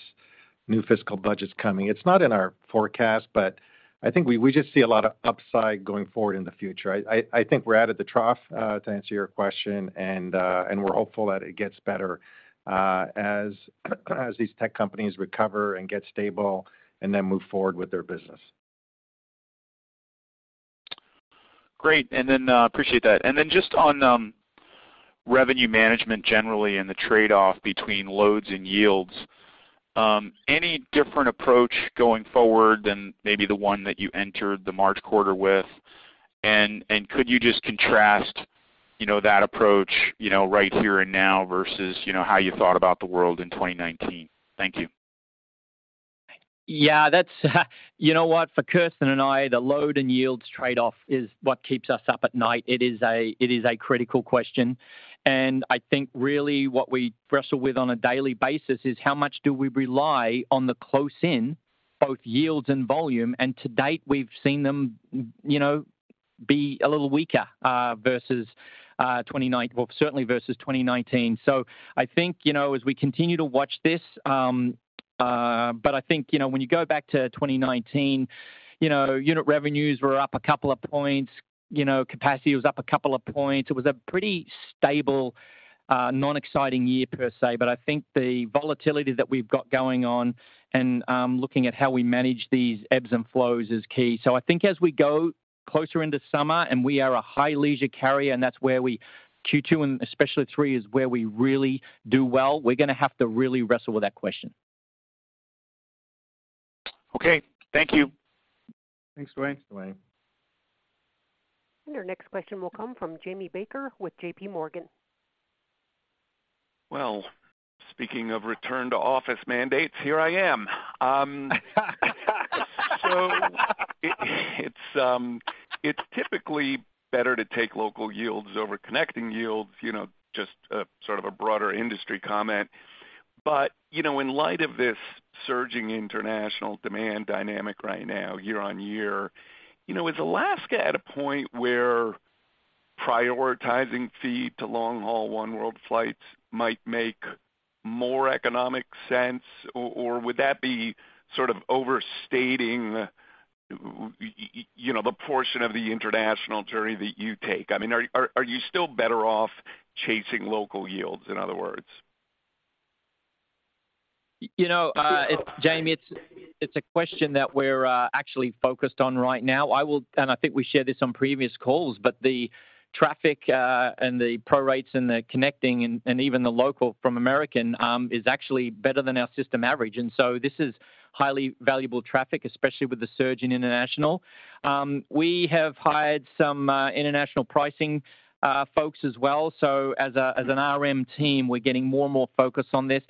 new fiscal budgets coming. It's not in our forecast, but I think we just see a lot of upside going forward in the future. I think we're out of the trough to answer your question, and we're hopeful that it gets better as these tech companies recover and get stable and then move forward with their business. Great. Appreciate that. Just on revenue management generally and the trade-off between loads and yields, any different approach going forward than maybe the one that you entered the March quarter with? Could you just contrast, you know, that approach, you know, right here and now versus, you know, how you thought about the world in 2019? Thank you. Yeah, You know what? For Kirsten and I, the load and yields trade-off is what keeps us up at night. It is a critical question. I think really what we wrestle with on a daily basis is how much do we rely on the close in both yields and volume. To date, we've seen them, you know, be a little weaker, versus well, certainly versus 2019. I think, you know, as we continue to watch this, I think, you know, when you go back to 2019, you know, unit revenues were up a couple of points. You know, capacity was up a couple of points. It was a pretty stable, non-exciting year per se. I think the volatility that we've got going on and, looking at how we manage these ebbs and flows is key. I think as we go closer into summer, and we are a high leisure carrier, and that's where Q2 and especially 3 is where we really do well, we're gonna have to really wrestle with that question. Okay. Thank you. Thanks, Duane. Thanks, Duane. Our next question will come from Jamie Baker with JPMorgan. Speaking of return to office mandates, here I am. it's, it's typically better to take local yields over connecting yields, you know, just a sort of a broader industry comment. you know, in light of this surging international demand dynamic right now year on year, you know, is Alaska at a point where prioritizing feed to long-haul oneworld flights might make more economic sense? or would that be sort of overstating, you know, the portion of the international journey that you take? I mean, are you still better off chasing local yields, in other words? You know, Jamie, it's a question that we're actually focused on right now. I think we shared this on previous calls, but the traffic and the prorates and the connecting and even the local from American Airlines is actually better than our system average. This is highly valuable traffic, especially with the surge in international. We have hired some international pricing folks as well. As an RM team, we're getting more and more focused on this.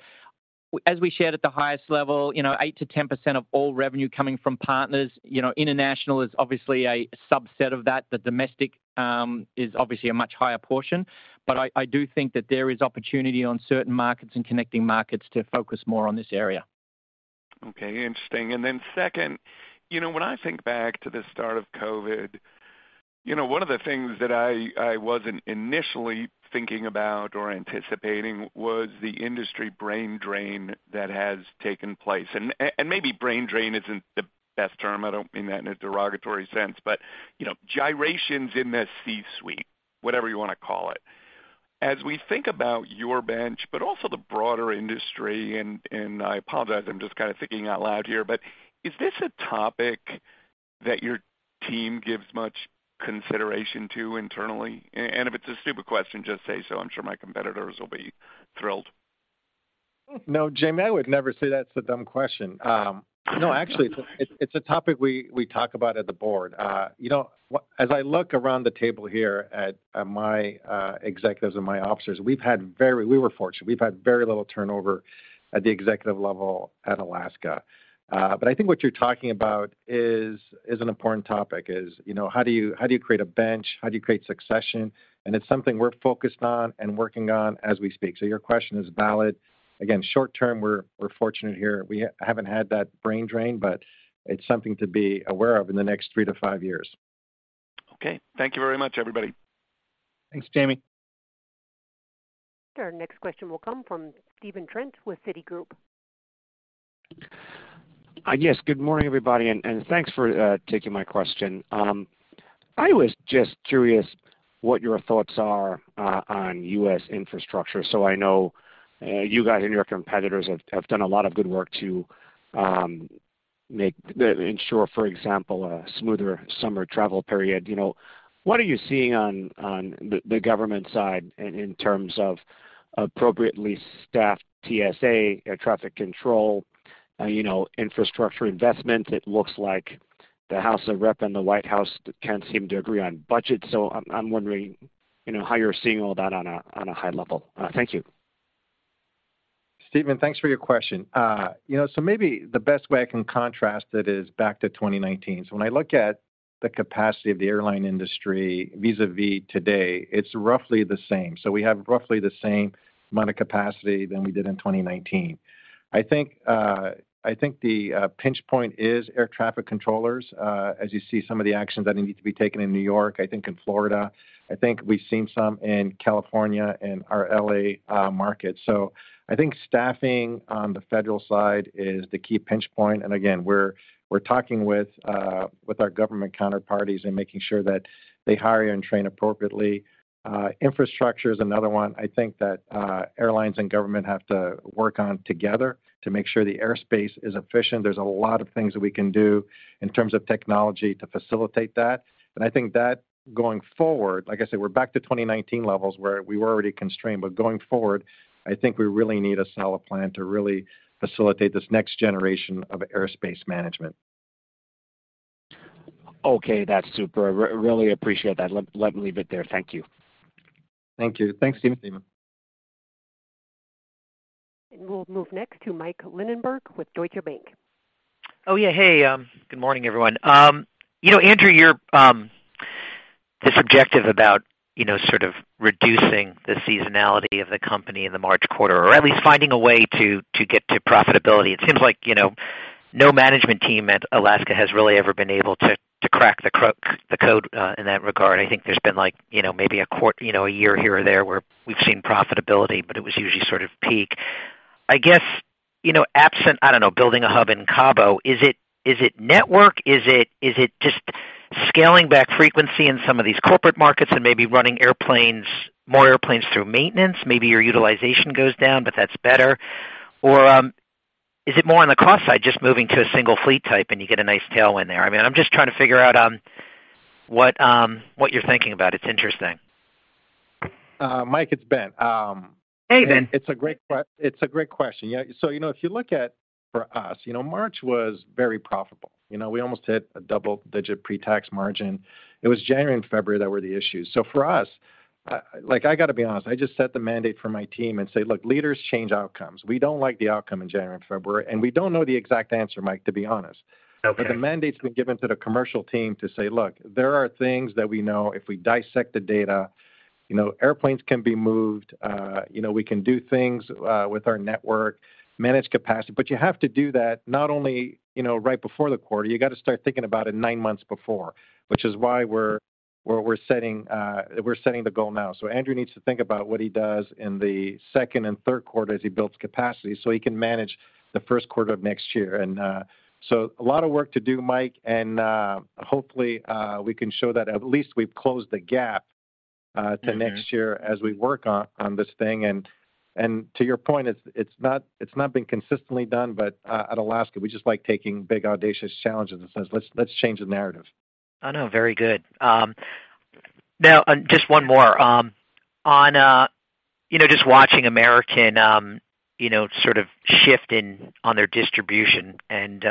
As we shared at the highest level, you know, 8%-10% of all revenue coming from partners, you know, international is obviously a subset of that. The domestic is obviously a much higher portion. I do think that there is opportunity on certain markets and connecting markets to focus more on this area. Okay. Interesting. Second, you know, when I think back to the start of COVID, you know, one of the things that I wasn't initially thinking about or anticipating was the industry brain drain that has taken place. Maybe brain drain isn't the best term. I don't mean that in a derogatory sense, but, you know, gyrations in the C-suite, whatever you wanna call it. As we think about your bench, but also the broader industry, I apologize, I'm just kind of thinking out loud here, but is this a topic that your team gives much consideration to internally? If it's a stupid question, just say so. I'm sure my competitors will be thrilled. No, Jamie, I would never say that's a dumb question. No, actually, it's a topic we talk about at the board. You know, as I look around the table here at my executives and my officers, we were fortunate. We've had very little turnover at the executive level at Alaska. I think what you're talking about is an important topic, is, you know, how do you create a bench? How do you create succession? It's something we're focused on and working on as we speak. Your question is valid. Again, short term, we're fortunate here. We haven't had that brain drain, but it's something to be aware of in the next three to five years. Okay. Thank you very much, everybody. Thanks, Jamie. Our next question will come from Stephen Trent with Citigroup. Yes, good morning, everybody, and thanks for taking my question. I was just curious what your thoughts are on U.S. infrastructure. I know you guys and your competitors have done a lot of good work to. Ensure, for example, a smoother summer travel period. You know, what are you seeing on the government side in terms of appropriately staffed TSA, air traffic control, you know, infrastructure investment? It looks like the House of Rep and the White House can't seem to agree on budget. I'm wondering, you know, how you're seeing all that on a high level? Thank you. Stephen, thanks for your question. You know, maybe the best way I can contrast it is back to 2019. When I look at the capacity of the airline industry vis-à-vis today, it's roughly the same. We have roughly the same amount of capacity than we did in 2019. I think the pinch point is air traffic controllers, as you see some of the actions that need to be taken in New York, I think in Florida, I think we've seen some in California and our L.A. market. I think staffing on the federal side is the key pinch point. Again, we're talking with our government counterparties and making sure that they hire and train appropriately. Infrastructure is another one I think that airlines and government have to work on together to make sure the airspace is efficient. There's a lot of things that we can do in terms of technology to facilitate that. I think that going forward, like I said, we're back to 2019 levels where we were already constrained. Going forward, I think we really need a solid plan to really facilitate this next generation of airspace management. Okay, that's super. Really appreciate that. Let me leave it there. Thank you. Thank you. Thanks, Stephen. We'll move next to Michael Linenberg with Deutsche Bank. Oh, yeah. Hey, good morning, everyone. You know, Andrew, you're, this objective about, you know, sort of reducing the seasonality of the company in the March quarter or at least finding a way to get to profitability, it seems like, you know, no management team at Alaska has really ever been able to crack the code in that regard. I think there's been like, you know, maybe a year here or there where we've seen profitability. It was usually sort of peak. I guess, you know, absent, I don't know, building a hub in Cabo, is it network? Is it just scaling back frequency in some of these corporate markets and maybe running more airplanes through maintenance? Maybe your utilization goes down. That's better. Is it more on the cost side, just moving to a single fleet type and you get a nice tailwind there? I mean, I'm just trying to figure out, what you're thinking about. It's interesting. Mike, it's Ben. Hey, Ben. It's a great question. Yeah, you know, if you look at for us, you know, March was very profitable. You know, we almost hit a double-digit pretax margin. It was January and February that were the issues. For us, like, I gotta be honest, I just set the mandate for my team and say, "Look, leaders change outcomes." We don't like the outcome in January and February, and we don't know the exact answer, Mike, to be honest. Okay. The mandate's been given to the commercial team to say, "Look, there are things that we know if we dissect the data, you know, airplanes can be moved, you know, we can do things with our network, manage capacity." You have to do that not only, you know, right before the quarter, you gotta start thinking about it nine months before, which is why we're setting the goal now. Andrew needs to think about what he does in the second and third quarter as he builds capacity so he can manage the first quarter of next year. A lot of work to do, Mike, and hopefully, we can show that at least we've closed the gap to next year as we work on this thing. To your point, it's not, it's not been consistently done, but, at Alaska, we just like taking big, audacious challenges and says, "Let's change the narrative. I know. Very good. Now just one more. On, you know, just watching American Airlines, you know, sort of shift in on their distribution and,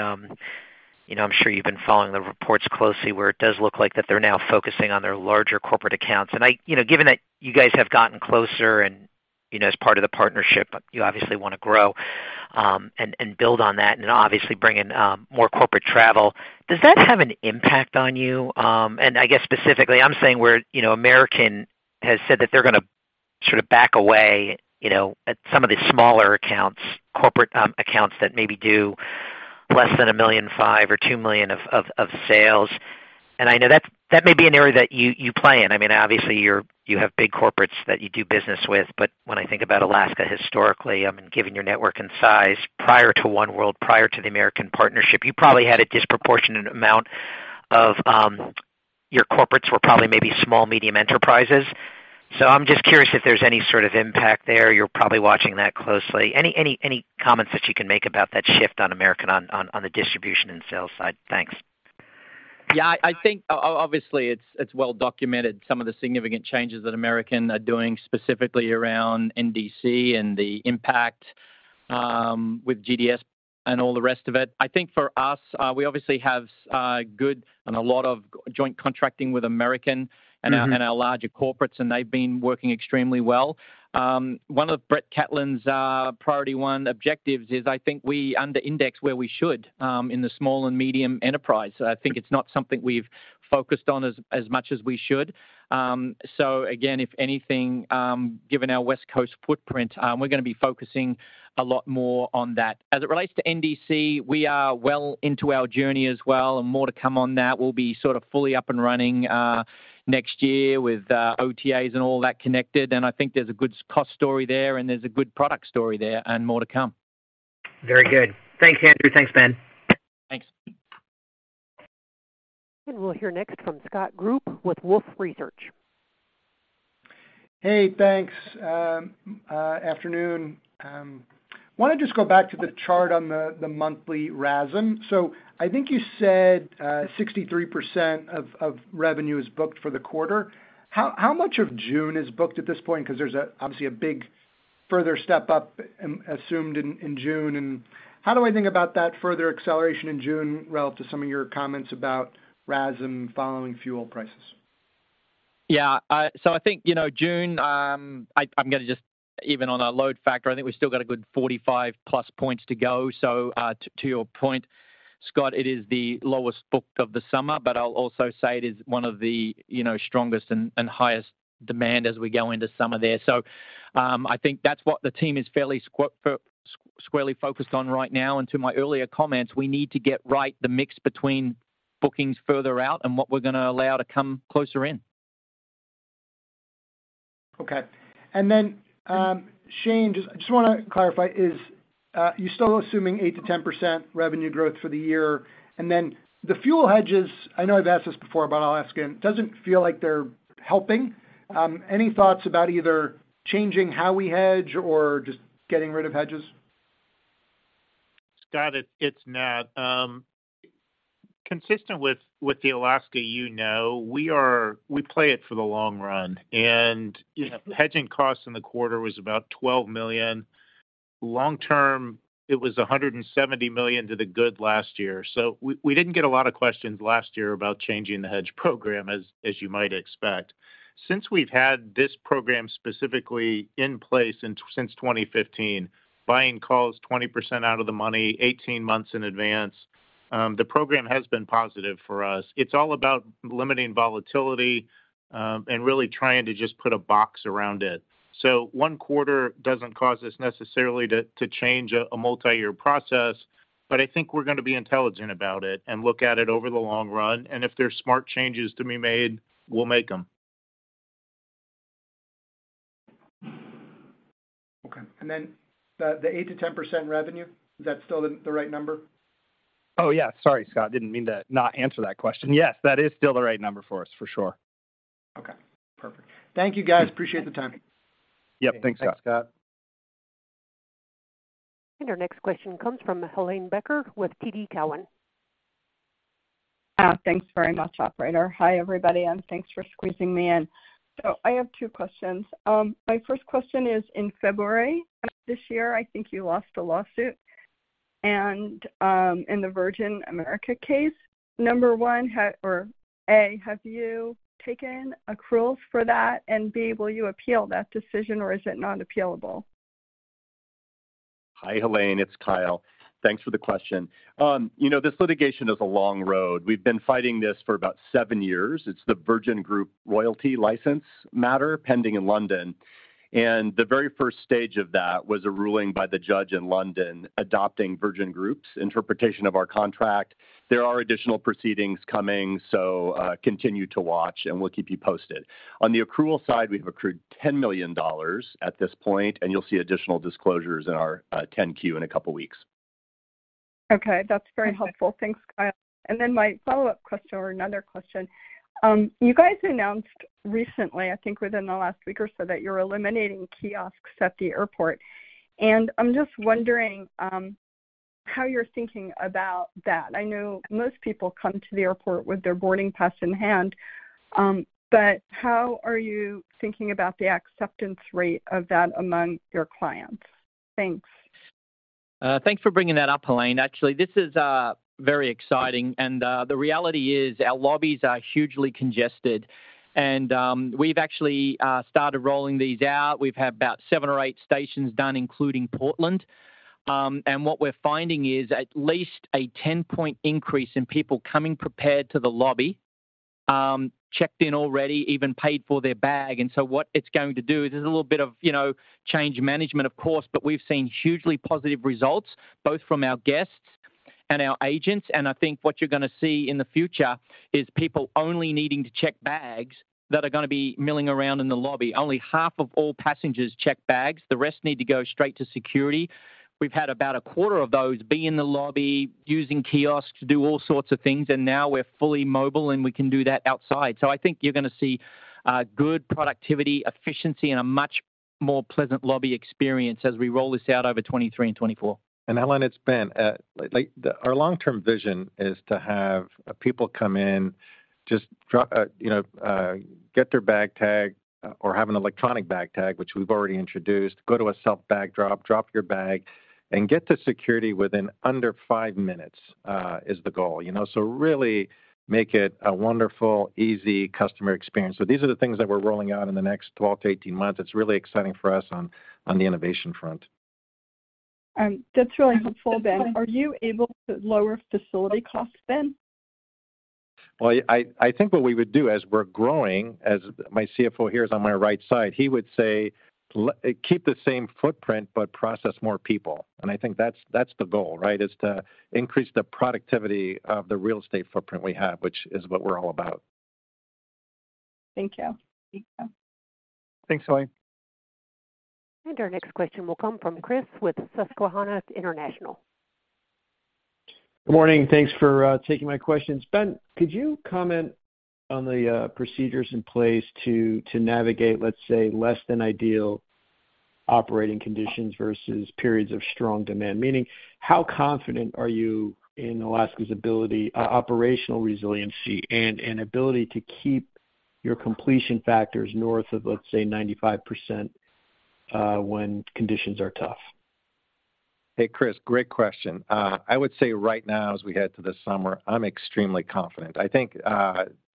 you know, I'm sure you've been following the reports closely where it does look like that they're now focusing on their larger corporate accounts. You know, given that you guys have gotten closer and, you know, as part of the partnership, you obviously wanna grow and build on that and obviously bring in more corporate travel. Does that have an impact on you? I guess specifically I'm saying where, you know, American Airlines has said that they're gonna sort of back away, you know, at some of the smaller accounts, corporate accounts that maybe do less than $1.5 million or $2 million of sales. I know that may be an area that you play in. I mean, obviously you have big corporates that you do business with. When I think about Alaska historically, I mean, given your network and size prior to oneworld, prior to the American partnership, you probably had a disproportionate amount of your corporates were probably maybe small, medium enterprises. I'm just curious if there's any sort of impact there. You're probably watching that closely. Any comments that you can make about that shift on American on the distribution and sales side? Thanks. Yeah, I think obviously it's well documented some of the significant changes that American are doing specifically around NDC and the impact with GDS and all the rest of it. I think for us, we obviously have good and a lot of joint contracting with American and our larger corporates, they've been working extremely well. One of Brett Catlin's priority one objectives is, I think we under-index where we should in the small and medium enterprise. I think it's not something we've focused on as much as we should. Again, if anything, given our West Coast footprint, we're gonna be focusing a lot more on that. As it relates to NDC, we are well into our journey as well and more to come on that. We'll be sort of fully up and running next year with OTAs and all that connected. I think there's a good cost story there and there's a good product story there and more to come. Very good. Thanks, Andrew. Thanks, Ben. Thanks. We'll hear next from Scott Group with Wolfe Research. Hey, thanks. afternoon. wanna just go back to the chart on the monthly RASM. I think you said 63% of revenue is booked for the quarter. How, how much of June is booked at this point? 'Cause there's obviously a big further step up, assumed in June, and how do I think about that further acceleration in June relative to some of your comments about RASM following fuel prices? Yeah, I think, you know, June, Even on a load factor, I think we still got a good 45+ points to go. To your point, Scott, it is the lowest booked of the summer, but I'll also say it is one of the, you know, strongest and highest demand as we go into summer there. I think that's what the team is fairly squarely focused on right now. To my earlier comments, we need to get right the mix between bookings further out and what we're gonna allow to come closer in. Okay. And then Shane, just, I just wanna clarify, is, you still assuming 8%-10% revenue growth for the year? The fuel hedges, I know I've asked this before, but I'll ask again, doesn't feel like they're helping. Any thoughts about either changing how we hedge or just getting rid of hedges? Scott, it's Nat. Consistent with the Alaska you know, we play it for the long run. Hedging costs in the quarter was about $12 million. Long term, it was $170 million to the good last year. We didn't get a lot of questions last year about changing the hedge program as you might expect. Since we've had this program specifically in place since 2015, buying calls 20% out of the money, 18 months in advance, the program has been positive for us. It's all about limiting volatility, and really trying to just put a box around it. One quarter doesn't cause us necessarily to change a multi-year process. I think we're gonna be intelligent about it and look at it over the long run, and if there's smart changes to be made, we'll make them. Okay. The 8%-10% revenue, is that still the right number? Oh, yeah. Sorry, Scott, didn't mean to not answer that question. Yes, that is still the right number for us, for sure. Okay. Perfect. Thank you, guys. Appreciate the time. Yep. Thanks, Scott. Thanks, Scott. Our next question comes from Helane Becker with TD Cowen. Thanks very much, operator. Hi, everybody, and thanks for squeezing me in. I have two questions. My first question is, in February of this year, I think you lost a lawsuit and in the Virgin America case. Number one, or A, have you taken accruals for that? B, will you appeal that decision or is it not appealable? Hi, Helane, it's Kyle. Thanks for the question. You know, this litigation is a long road. We've been fighting this for about 7 years. It's the Virgin Group royalty license matter pending in London, and the very first stage of that was a ruling by the judge in London adopting Virgin Group's interpretation of our contract. There are additional proceedings coming. Continue to watch and we'll keep you posted. On the accrual side, we've accrued $10 million at this point, and you'll see additional disclosures in our Form 10-Q in a couple weeks. Okay. That's very helpful. Thanks, Kyle. My follow-up question or another question. You guys announced recently, I think within the last week or so, that you're eliminating kiosks at the airport, and I'm just wondering how you're thinking about that. I know most people come to the airport with their boarding pass in hand, but how are you thinking about the acceptance rate of that among your clients? Thanks. Thanks for bringing that up, Helane. Actually, this is very exciting. The reality is our lobbies are hugely congested. We've actually started rolling these out. We've had about seven or eight stations done, including Portland. What we're finding is at least a 10-point increase in people coming prepared to the lobby, checked in already, even paid for their bag. What it's going to do is, there's a little bit of, you know, change management of course, but we've seen hugely positive results both from our guests and our agents. I think what you're gonna see in the future is people only needing to check bags that are gonna be milling around in the lobby. Only half of all passengers check bags, the rest need to go straight to security. We've had about a quarter of those be in the lobby using kiosks to do all sorts of things, and now we're fully mobile and we can do that outside. I think you're gonna see good productivity, efficiency, and a much more pleasant lobby experience as we roll this out over 2023 and 2024. Helane, it's Ben. our long-term vision is to have people come in, just drop, you know, get their bag tag or have an electronic bag tag, which we've already introduced. Go to a self-bag drop your bag, and get to security within under five minutes, is the goal, you know? really make it a wonderful, easy customer experience. These are the things that we're rolling out in the next 12-18 months. It's really exciting for us on the innovation front. That's really helpful, Ben. Are you able to lower facility costs then? Well, I think what we would do as we're growing, as my CFO here is on my right side, he would say, "keep the same footprint but process more people." I think that's the goal, right? Is to increase the productivity of the real estate footprint we have, which is what we're all about. Thank you. Thanks, Helane. Our next question will come from Chris with Susquehanna International. Good morning. Thanks for taking my questions. Ben, could you comment on the procedures in place to navigate, let's say, less than ideal operating conditions versus periods of strong demand? Meaning, how confident are you in Alaska's ability, operational resiliency and an ability to keep your completion factors north of, let's say, 95%, when conditions are tough? Hey, Chris, great question. I would say right now, as we head to the summer, I'm extremely confident. I think,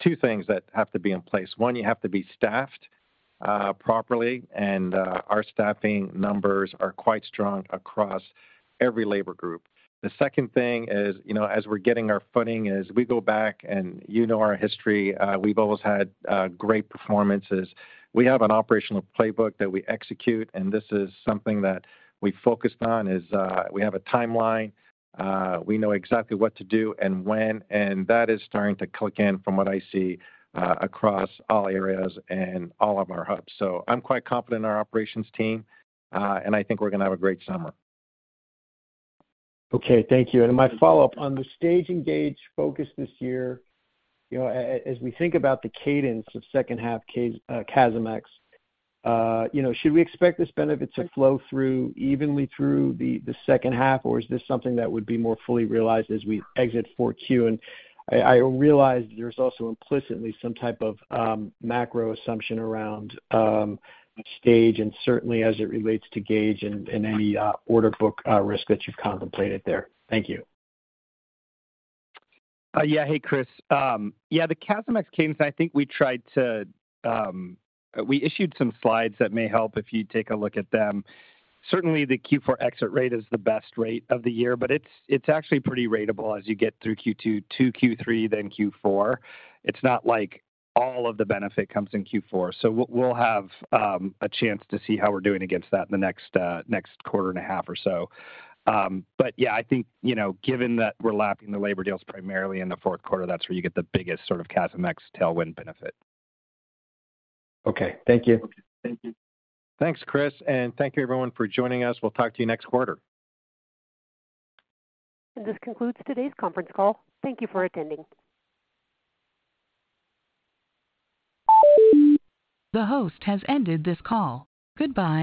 two things that have to be in place. One, you have to be staffed, properly, and, our staffing numbers are quite strong across every labor group. The second thing is, you know, as we're getting our footing is we go back, and you know our history, we've always had, great performances. We have an operational playbook that we execute, and this is something that we focused on, is, we have a timeline, we know exactly what to do and when, and that is starting to click in from what I see, across all areas and all of our hubs. I'm quite confident in our operations team, and I think we're gonna have a great summer. Okay. Thank you. My follow-up on the stage and gauge focus this year, you know, as we think about the cadence of second half CASM-ex, you know, should we expect this benefit to flow through evenly through the second half, or is this something that would be more fully realized as we exit 4Q? I realize there's also implicitly some type of macro assumption around stage and certainly as it relates to gauge and any order book risk that you've contemplated there. Thank you. Yeah. Hey, Chris. Yeah, the CASM-ex cadence, I think we tried to. We issued some slides that may help if you take a look at them. Certainly, the Q4 exit rate is the best rate of the year, but it's actually pretty ratable as you get through Q2 to Q3, then Q4. It's not like all of the benefit comes in Q4. We'll have a chance to see how we're doing against that in the next quarter and a half or so. Yeah, I think, you know, given that we're lapping the labor deals primarily in the fourth quarter, that's where you get the biggest sort of CASM-ex tailwind benefit. Okay. Thank you. Thanks, Chris, and thank you everyone for joining us. We'll talk to you next quarter. This concludes today's conference call. Thank you for attending. The host has ended this call. Goodbye.